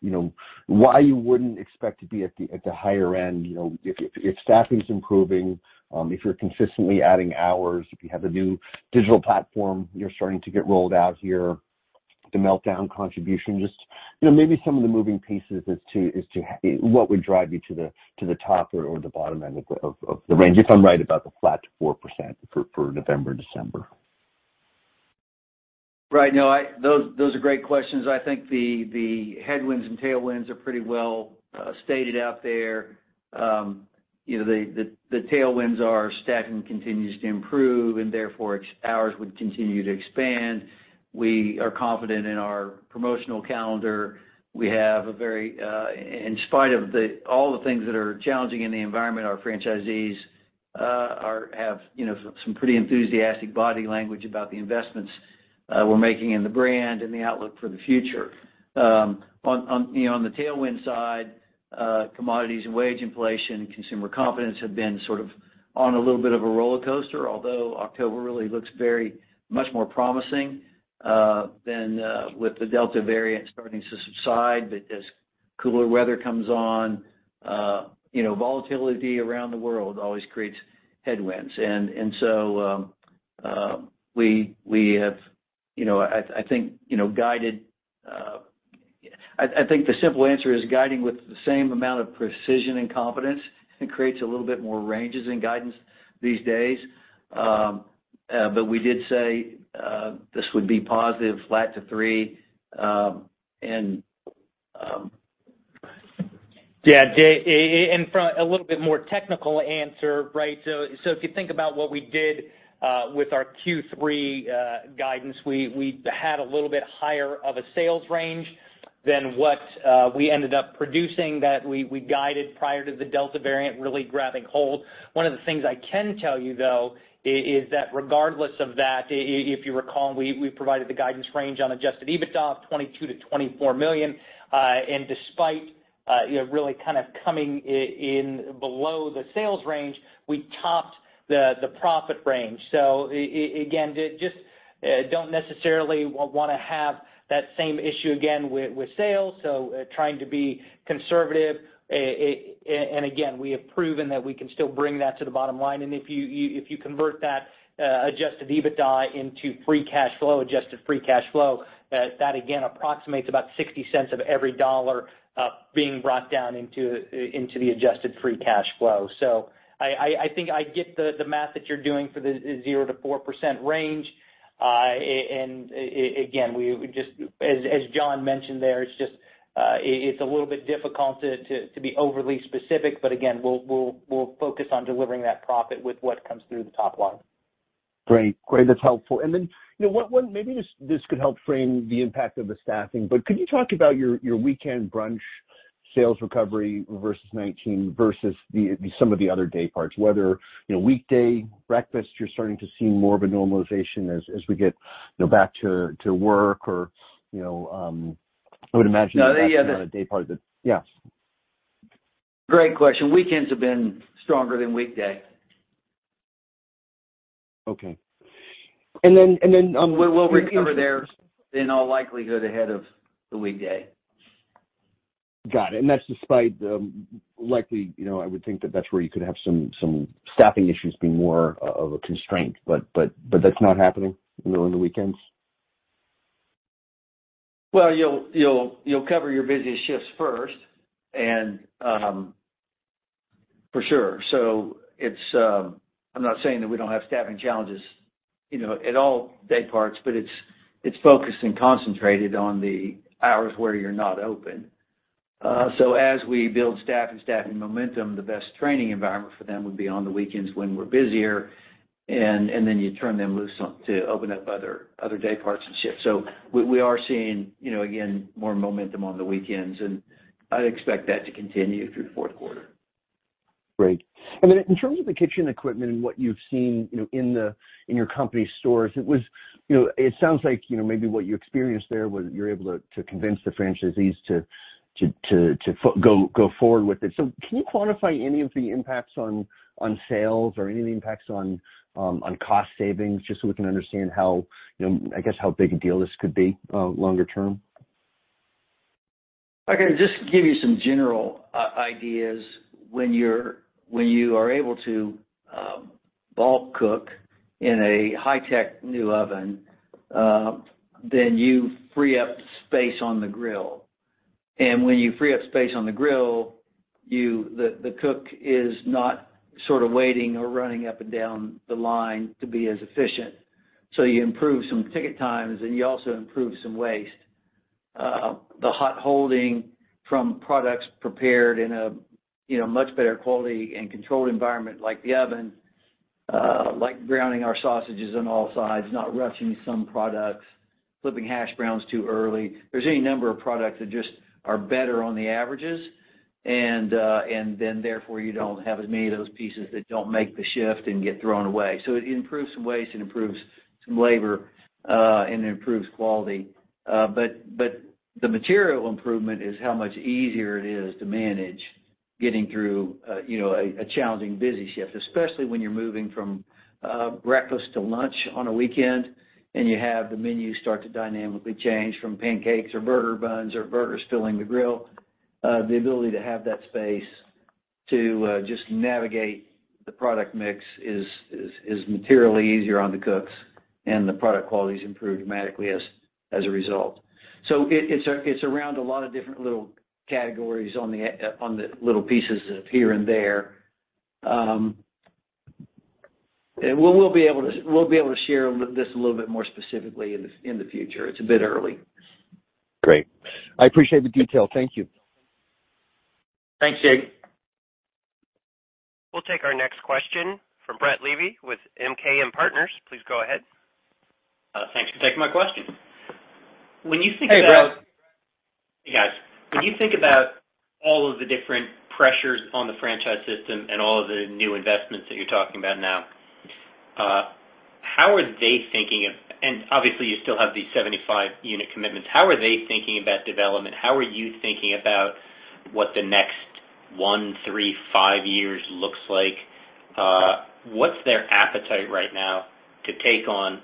you know why you wouldn't expect to be at the higher end you know if staffing's improving if you're consistently adding hours if you have a new digital platform you're starting to get rolled out here The Meltdown contribution just you know maybe some of the moving pieces as to what would drive you to the top or the bottom end of the range if I'm right about the flat to 4% for November and December? Right. No, those are great questions. I think the headwinds and tailwinds are pretty well stated out there. You know, the tailwinds are staffing continues to improve and therefore hours would continue to expand. We are confident in our promotional calendar. We have a very, in spite of all the things that are challenging in the environment, our franchisees have, you know, some pretty enthusiastic body language about the investments we're making in the brand and the outlook for the future. You know, on the tailwind side, commodities and wage inflation, consumer confidence have been sort of on a little bit of a roller coaster, although October really looks very much more promising than with the Delta variant starting to subside. As cooler weather comes on, you know, volatility around the world always creates headwinds. I think the simple answer is guiding with the same amount of precision and confidence. It creates a little bit more ranges in guidance these days. We did say this would be positive flat to 3, and A little bit more technical answer, right? If you think about what we did with our Q3 guidance, we had a little bit higher of a sales range than what we ended up producing that we guided prior to the Delta variant really grabbing hold. One of the things I can tell you, though, is that regardless of that, if you recall, we provided the guidance range on adjusted EBITDA of $22 million-$24 million. Despite you know, really kind of coming in below the sales range, we topped the profit range. Again, just don't necessarily want to have that same issue again with sales, so trying to be conservative. Again, we have proven that we can still bring that to the bottom line. If you convert that, adjusted EBITDA into free cash flow, adjusted free cash flow, that again approximates about $0.60 of every $1, being brought down into the adjusted free cash flow. I think I get the math that you're doing for the 0%-4% range. We just— As John mentioned there, it's just, it's a little bit difficult to be overly specific, but again, we'll focus on delivering that profit with what comes through the top line. Great. That's helpful. You know what? Maybe this could help frame the impact of the staffing, but could you talk about your weekend brunch sales recovery versus 2019 versus some of the other day parts, whether, you know, weekday breakfast, you're starting to see more of a normalization as we get, you know, back to work or, you know, I would imagine that's not a day part that- No. Yeah, Yeah. Great question. Weekends have been stronger than weekdays. Okay. We're over there in all likelihood ahead of the weekday. Got it. That's despite, likely, you know, I would think that that's where you could have some staffing issues be more of a constraint. But that's not happening during the weekends? Well, you'll cover your busiest shifts first and For sure. I'm not saying that we don't have staffing challenges, you know, at all day parts, but it's focused and concentrated on the hours where you're not open. As we build staff and staffing momentum, the best training environment for them would be on the weekends when we're busier, and then you turn them loose on to open up other day parts and shifts. We are seeing, you know, again, more momentum on the weekends, and I'd expect that to continue through the fourth quarter. Great. Then in terms of the kitchen equipment and what you've seen, you know, in your company stores, it was, you know, it sounds like, you know, maybe what you experienced there was you're able to go forward with it. Can you quantify any of the impacts on sales or any of the impacts on cost savings, just so we can understand how, you know, I guess how big a deal this could be longer term? I can just give you some general ideas. When you are able to bulk cook in a high-tech new oven, then you free up space on the grill. When you free up space on the grill, the cook is not sort of waiting or running up and down the line to be as efficient. You improve some ticket times, and you also improve some waste. The hot holding from products prepared in a much better quality and controlled environment like the oven, like browning our sausages on all sides, not rushing some products, flipping hash browns too early. There's any number of products that just are better on the averages, and then therefore, you don't have as many of those pieces that don't make the shift and get thrown away. It improves some waste, it improves some labor, and it improves quality. The material improvement is how much easier it is to manage getting through, you know, a challenging busy shift, especially when you're moving from breakfast to lunch on a weekend, and you have the menu start to dynamically change from pancakes or burger buns or burgers filling the grill. The ability to have that space to just navigate the product mix is materially easier on the cooks, and the product quality is improved dramatically as a result. It's around a lot of different little categories on the little pieces of here and there. We'll be able to share this a little bit more specifically in the future. It's a bit early. Great. I appreciate the detail. Thank you. Thanks, Jake. We'll take our next question from Brett Levy with MKM Partners. Please go ahead. Thanks for taking my question. When you think about- Hey, Brett. Hey, guys. When you think about all of the different pressures on the franchise system and all of the new investments that you're talking about now, how are they thinking of? Obviously, you still have these 75-unit commitments. How are they thinking about development? How are you thinking about what the next one, three, five years looks like? What's their appetite right now to take on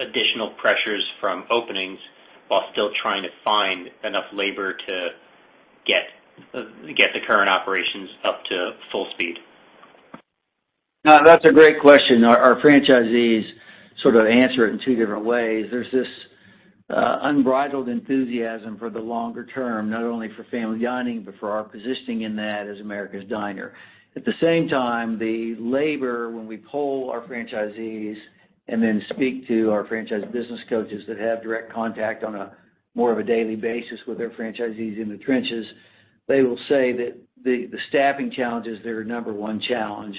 additional pressures from openings while still trying to find enough labor to get the current operations up to full speed? Now, that's a great question. Our franchisees sort of answer it in two different ways. There's this unbridled enthusiasm for the longer term, not only for family dining, but for our positioning in that as America's Diner. At the same time, the labor, when we poll our franchisees and then speak to our Franchise Business Coaches that have direct contact on a more of a daily basis with their franchisees in the trenches, they will say that the staffing challenge is their number one challenge.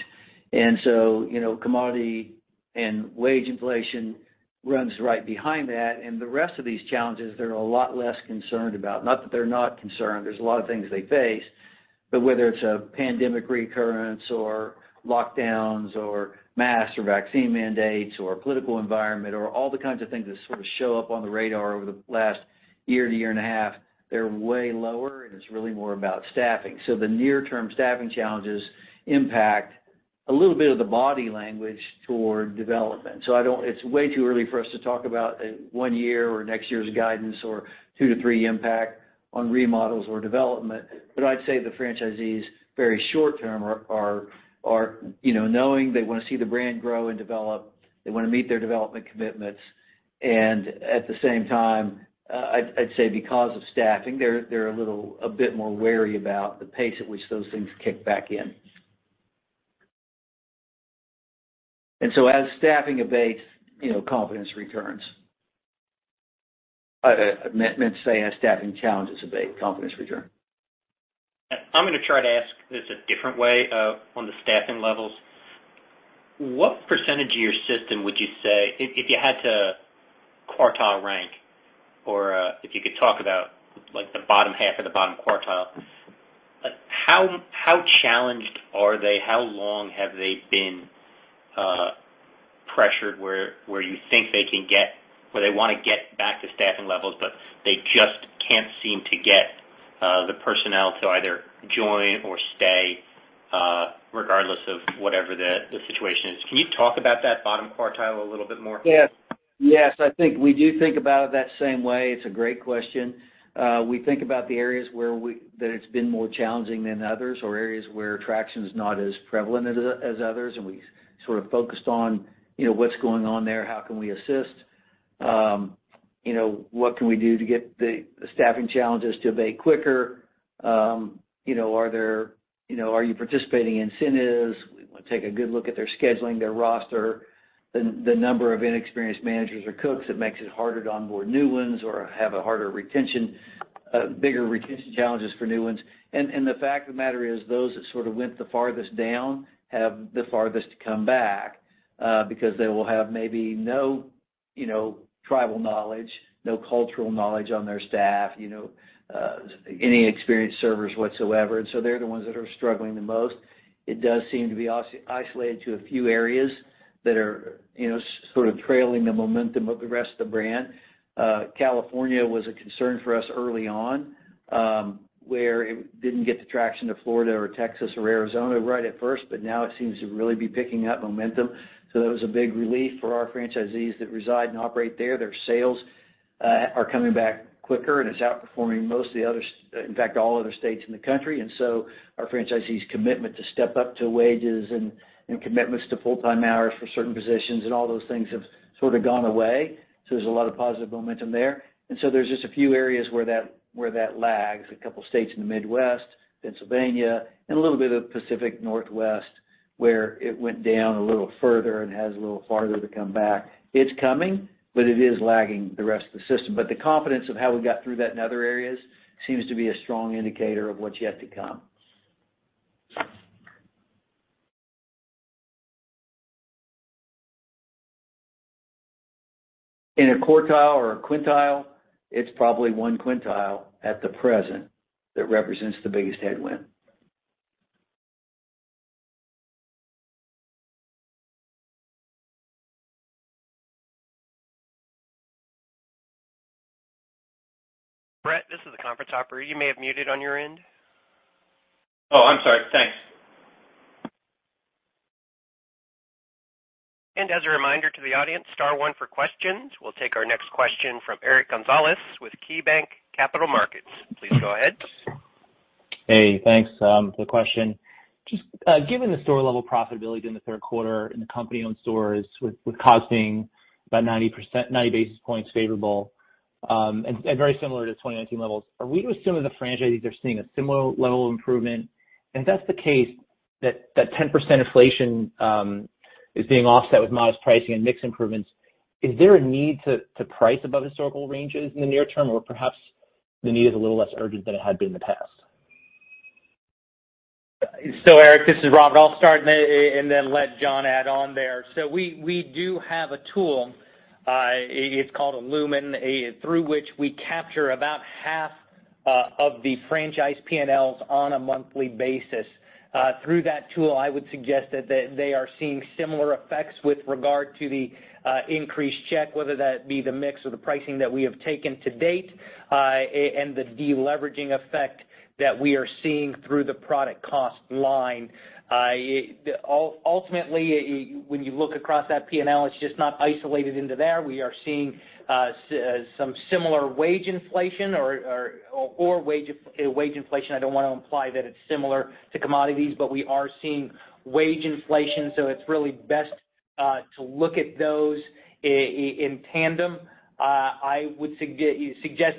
You know, commodity and wage inflation runs right behind that. The rest of these challenges, they're a lot less concerned about. Not that they're not concerned, there's a lot of things they face, but whether it's a pandemic recurrence or lockdowns or masks or vaccine mandates or political environment or all the kinds of things that sort of show up on the radar over the last year to year and a half, they're way lower, and it's really more about staffing. The near-term staffing challenges impact a little bit of the body language toward development. It's way too early for us to talk about one year or next year's guidance or two to three impact on remodels or development. I'd say the franchisees, very short term are, you know, knowing they want to see the brand grow and develop, they want to meet their development commitments. At the same time, I'd say because of staffing, they're a little bit more wary about the pace at which those things kick back in. As staffing abates, you know, confidence returns. I meant to say as staffing challenges abate, confidence returns. I'm gonna try to ask this a different way, on the staffing levels. What percentage of your system would you say if you had to quartile rank or if you could talk about like the bottom half or the bottom quartile, how challenged are they? How long have they been pressured where you think they can get where they wanna get back to staffing levels, but they just can't seem to get the personnel to either join or stay, regardless of whatever the situation is? Can you talk about that bottom quartile a little bit more? Yes. I think we think about it that same way. It's a great question. We think about the areas where that it's been more challenging than others or areas where traction is not as prevalent as others, and we sort of focused on, you know, what's going on there, how can we assist? You know, what can we do to get the staffing challenges to abate quicker? You know, are you participating in incentives? We want to take a good look at their scheduling, their roster, the number of inexperienced managers or cooks that makes it harder to onboard new ones or have a harder retention, bigger retention challenges for new ones. The fact of the matter is those that sort of went the farthest down have the farthest to come back, because they will have maybe no, you know, tribal knowledge, no cultural knowledge on their staff, you know, any experienced servers whatsoever. They're the ones that are struggling the most. It does seem to be isolated to a few areas that are, you know, sort of trailing the momentum of the rest of the brand. California was a concern for us early on, where it didn't get the traction to Florida or Texas or Arizona right at first, but now it seems to really be picking up momentum. That was a big relief for our franchisees that reside and operate there. Their sales are coming back quicker, and it's outperforming most of the other, in fact, all other states in the country. Our franchisees' commitment to step up to wages and commitments to full-time hours for certain positions and all those things have sort of gone away. There's a lot of positive momentum there. There's just a few areas where that lags. A couple of states in the Midwest, Pennsylvania, and a little bit of Pacific Northwest, where it went down a little further and has a little farther to come back. It's coming, but it is lagging the rest of the system. The confidence of how we got through that in other areas seems to be a strong indicator of what's yet to come. In a quartile or a quintile, it's probably one quintile at the present that represents the biggest headwind. Brett, this is the conference operator. You may have muted on your end. Oh, I'm sorry. Thanks. As a reminder to the audience, star one for questions. We'll take our next question from Eric Gonzalez with KeyBanc Capital Markets. Please go ahead. Hey, thanks. The question, just, given the store-level profitability in the third quarter in the company-owned stores with costing about 90 basis points favorable, and very similar to 2019 levels. Are we to assume that the franchisees are seeing a similar level of improvement? If that's the case that 10% inflation is being offset with modest pricing and mix improvements, is there a need to price above historical ranges in the near term, or perhaps the need is a little less urgent than it had been in the past? Eric, this is Rob. I'll start and then let John add on there. We do have a tool. It's called Lumen through which we capture about half of the franchise P&Ls on a monthly basis. Through that tool, I would suggest that they are seeing similar effects with regard to the increased check, whether that be the mix or the pricing that we have taken to date, and the deleveraging effect that we are seeing through the product cost line. Ultimately, when you look across that P&L, it's just not isolated into there. We are seeing some similar wage inflation. I don't want to imply that it's similar to commodities, but we are seeing wage inflation. It's really best to look at those in tandem. I would suggest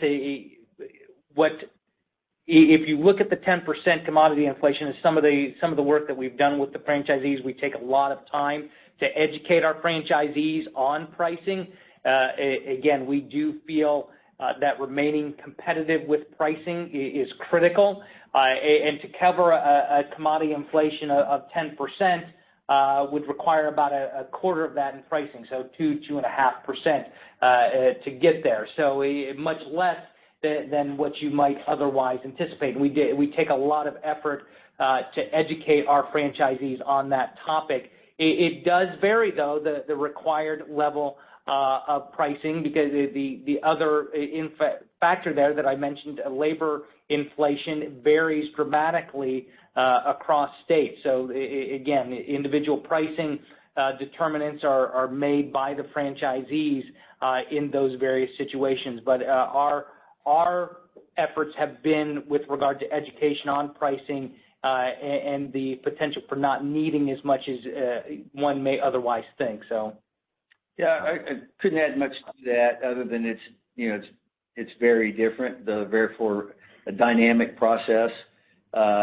if you look at the 10% commodity inflation and some of the work that we've done with the franchisees, we take a lot of time to educate our franchisees on pricing. Again, we do feel that remaining competitive with pricing is critical. To cover a commodity inflation of 10%, would require about a quarter of that in pricing, so 2.5%, to get there. Much less than what you might otherwise anticipate. We take a lot of effort to educate our franchisees on that topic. It does vary, though, the required level of pricing because the other factor there that I mentioned, labor inflation varies dramatically across states. Again, individual pricing determinants are made by the franchisees in those various situations. Our efforts have been with regard to education on pricing and the potential for not needing as much as one may otherwise think so. Yeah, I couldn't add much to that other than it's, you know, very different, therefore a dynamic process.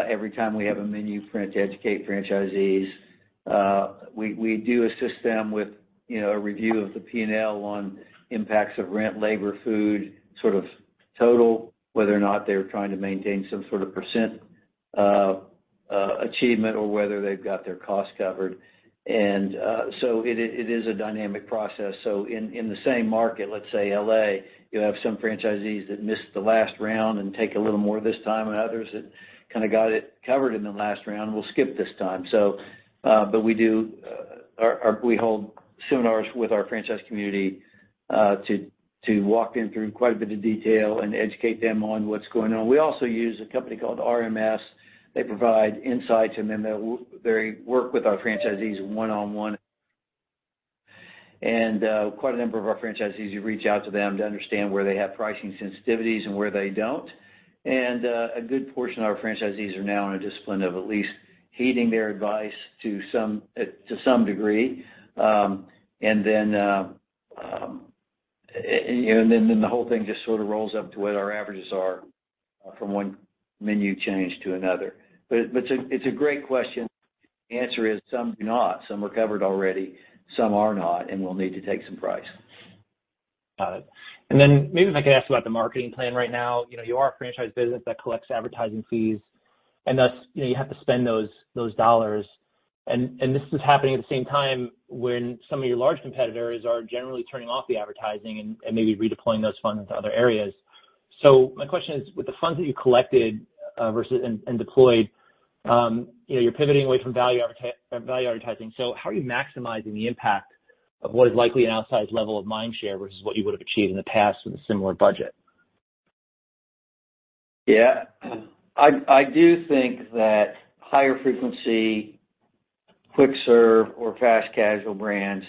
Every time we have a menu price to educate franchisees, we do assist them with, you know, a review of the P&L on impacts of rent, labor, food, sort of total, whether or not they're trying to maintain some sort of percent achievement or whether they've got their costs covered. It is a dynamic process. In the same market, let's say LA, you have some franchisees that missed the last round and take a little more this time, and others that kinda got it covered in the last round will skip this time. We hold seminars with our franchise community to walk them through quite a bit of detail and educate them on what's going on. We also use a company called RMS. They provide insights, and then they work with our franchisees one-on-one. Quite a number of our franchisees do reach out to them to understand where they have pricing sensitivities and where they don't. A good portion of our franchisees are now in a discipline of at least heeding their advice to some degree. The whole thing just sort of rolls up to what our averages are from one menu change to another. It's a great question. The answer is some do not, some were covered already, some are not, and we'll need to take some price. Got it. Then maybe if I could ask about the marketing plan right now. You know, you are a franchise business that collects advertising fees, and thus, you know, you have to spend those dollars. This is happening at the same time when some of your large competitors are generally turning off the advertising and maybe redeploying those funds into other areas. My question is, with the funds that you collected versus and deployed, you know, you're pivoting away from value advertising. How are you maximizing the impact of what is likely an outsized level of mind share versus what you would have achieved in the past with a similar budget? Yeah. I do think that higher-frequency, Quick Serve or Fast Casual brands,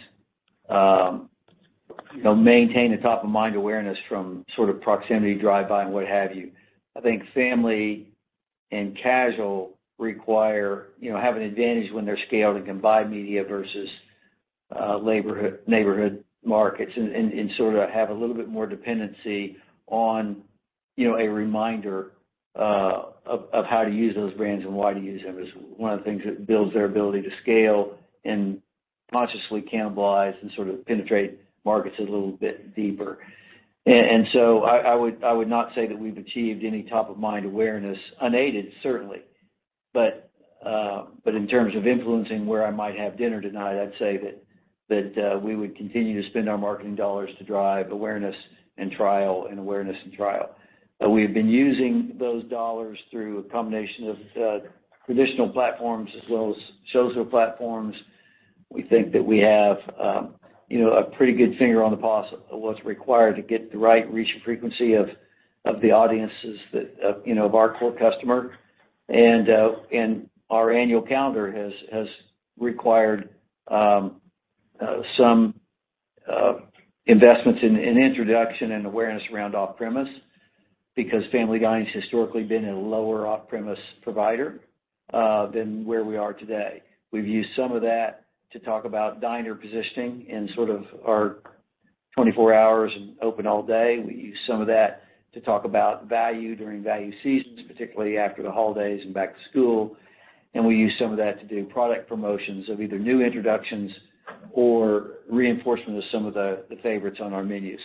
you know, maintain the top-of-mind awareness from sort of proximity drive-by and what have you. I think Family and Casual require, you know, have an advantage when they're scaled and combined media versus neighborhood markets and sort of have a little bit more dependency on, you know, a reminder of how to use those brands and why to use them is one of the things that builds their ability to scale and consciously cannibalize and sort of penetrate markets a little bit deeper. I would not say that we've achieved any top-of-mind awareness unaided, certainly. In terms of influencing where I might have dinner tonight, I'd say that we would continue to spend our marketing dollars to drive awareness and trial. We have been using those dollars through a combination of traditional platforms as well as social platforms. We think that we have you know a pretty good finger on the pulse of what's required to get the right reach and frequency of the audiences that you know of our core customer. Our annual calendar has required some investments in introduction and awareness around off-premise because Family Dining's historically been a lower off-premise provider than where we are today. We've used some of that to talk about diner positioning and sort of our 24 hours and open all day. We use some of that to talk about value during value seasons, particularly after the holidays and back-to-school. We use some of that to do product promotions of either new introductions or reinforcement of some of the favorites on our menu.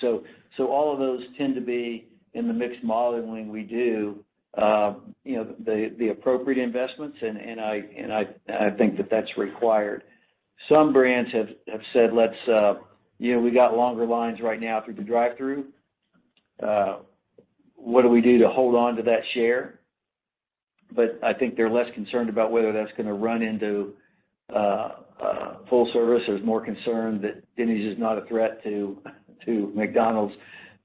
All of those tend to be in the mixed modeling we do, you know, the appropriate investments, and I think that that's required. Some brands have said, "Let's, you know, we got longer lines right now through the drive-thru. What do we do to hold on to that share?" I think they're less concerned about whether that's gonna run into full-service. There's more concern that Denny's is not a threat to McDonald's,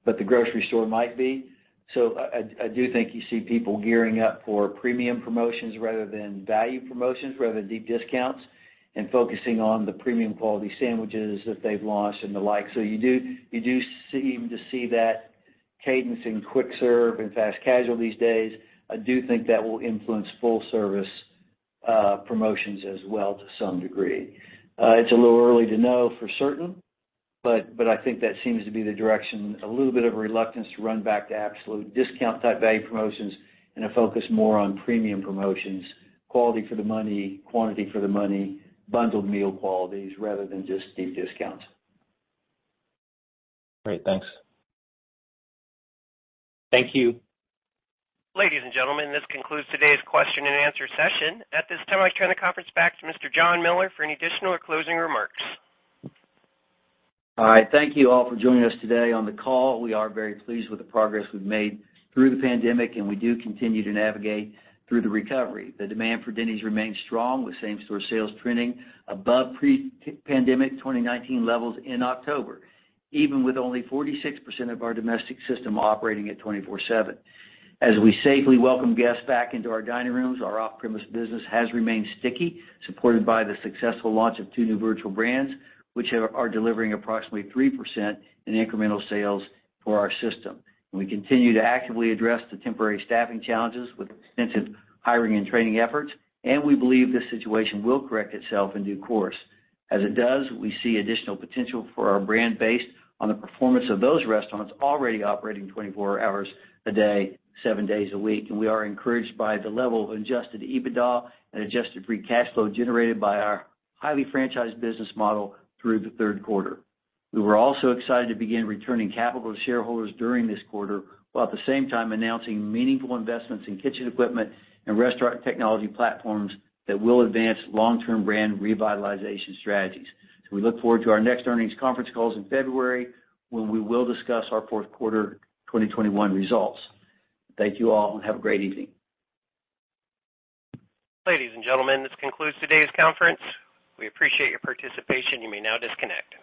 but the grocery store might be. I do think you see people gearing up for premium promotions rather than value promotions, rather deep discounts, and focusing on the premium quality sandwiches that they've launched and the like. You do seem to see that cadence in Quick Serve and Fast Casual these days. I do think that will influence full-service promotions as well to some degree. It's a little early to know for certain, but I think that seems to be the direction. A little bit of reluctance to run back to absolute discount type value promotions and a focus more on premium promotions, quality for the money, quantity for the money, bundled meal qualities rather than just deep discounts. Great. Thanks. Thank you. Ladies and gentlemen, this concludes today's question and answer session. At this time, I turn the conference back to Mr. John Miller for any additional or closing remarks. All right. Thank you all for joining us today on the call. We are very pleased with the progress we've made through the pandemic, and we do continue to navigate through the recovery. The demand for Denny's remains strong, with same-store sales trending above pre-pandemic 2019 levels in October, even with only 46% of our domestic system operating at 24/7. As we safely welcome guests back into our dining rooms, our off-premise business has remained sticky, supported by the successful launch of two new virtual brands, which are delivering approximately 3% in incremental sales for our system. We continue to actively address the temporary staffing challenges with extensive hiring and training efforts, and we believe this situation will correct itself in due course. As it does, we see additional potential for our brand based on the performance of those restaurants already operating 24 hours a day, 7 days a week, and we are encouraged by the level of adjusted EBITDA and adjusted free cash flow generated by our highly franchised business model through the third quarter. We were also excited to begin returning capital to shareholders during this quarter, while at the same time announcing meaningful investments in kitchen equipment and restaurant technology platforms that will advance long-term brand revitalization strategies. We look forward to our next earnings conference calls in February when we will discuss our fourth quarter 2021 results. Thank you all, and have a great evening. Ladies and gentlemen, this concludes today's conference. We appreciate your participation. You may now disconnect.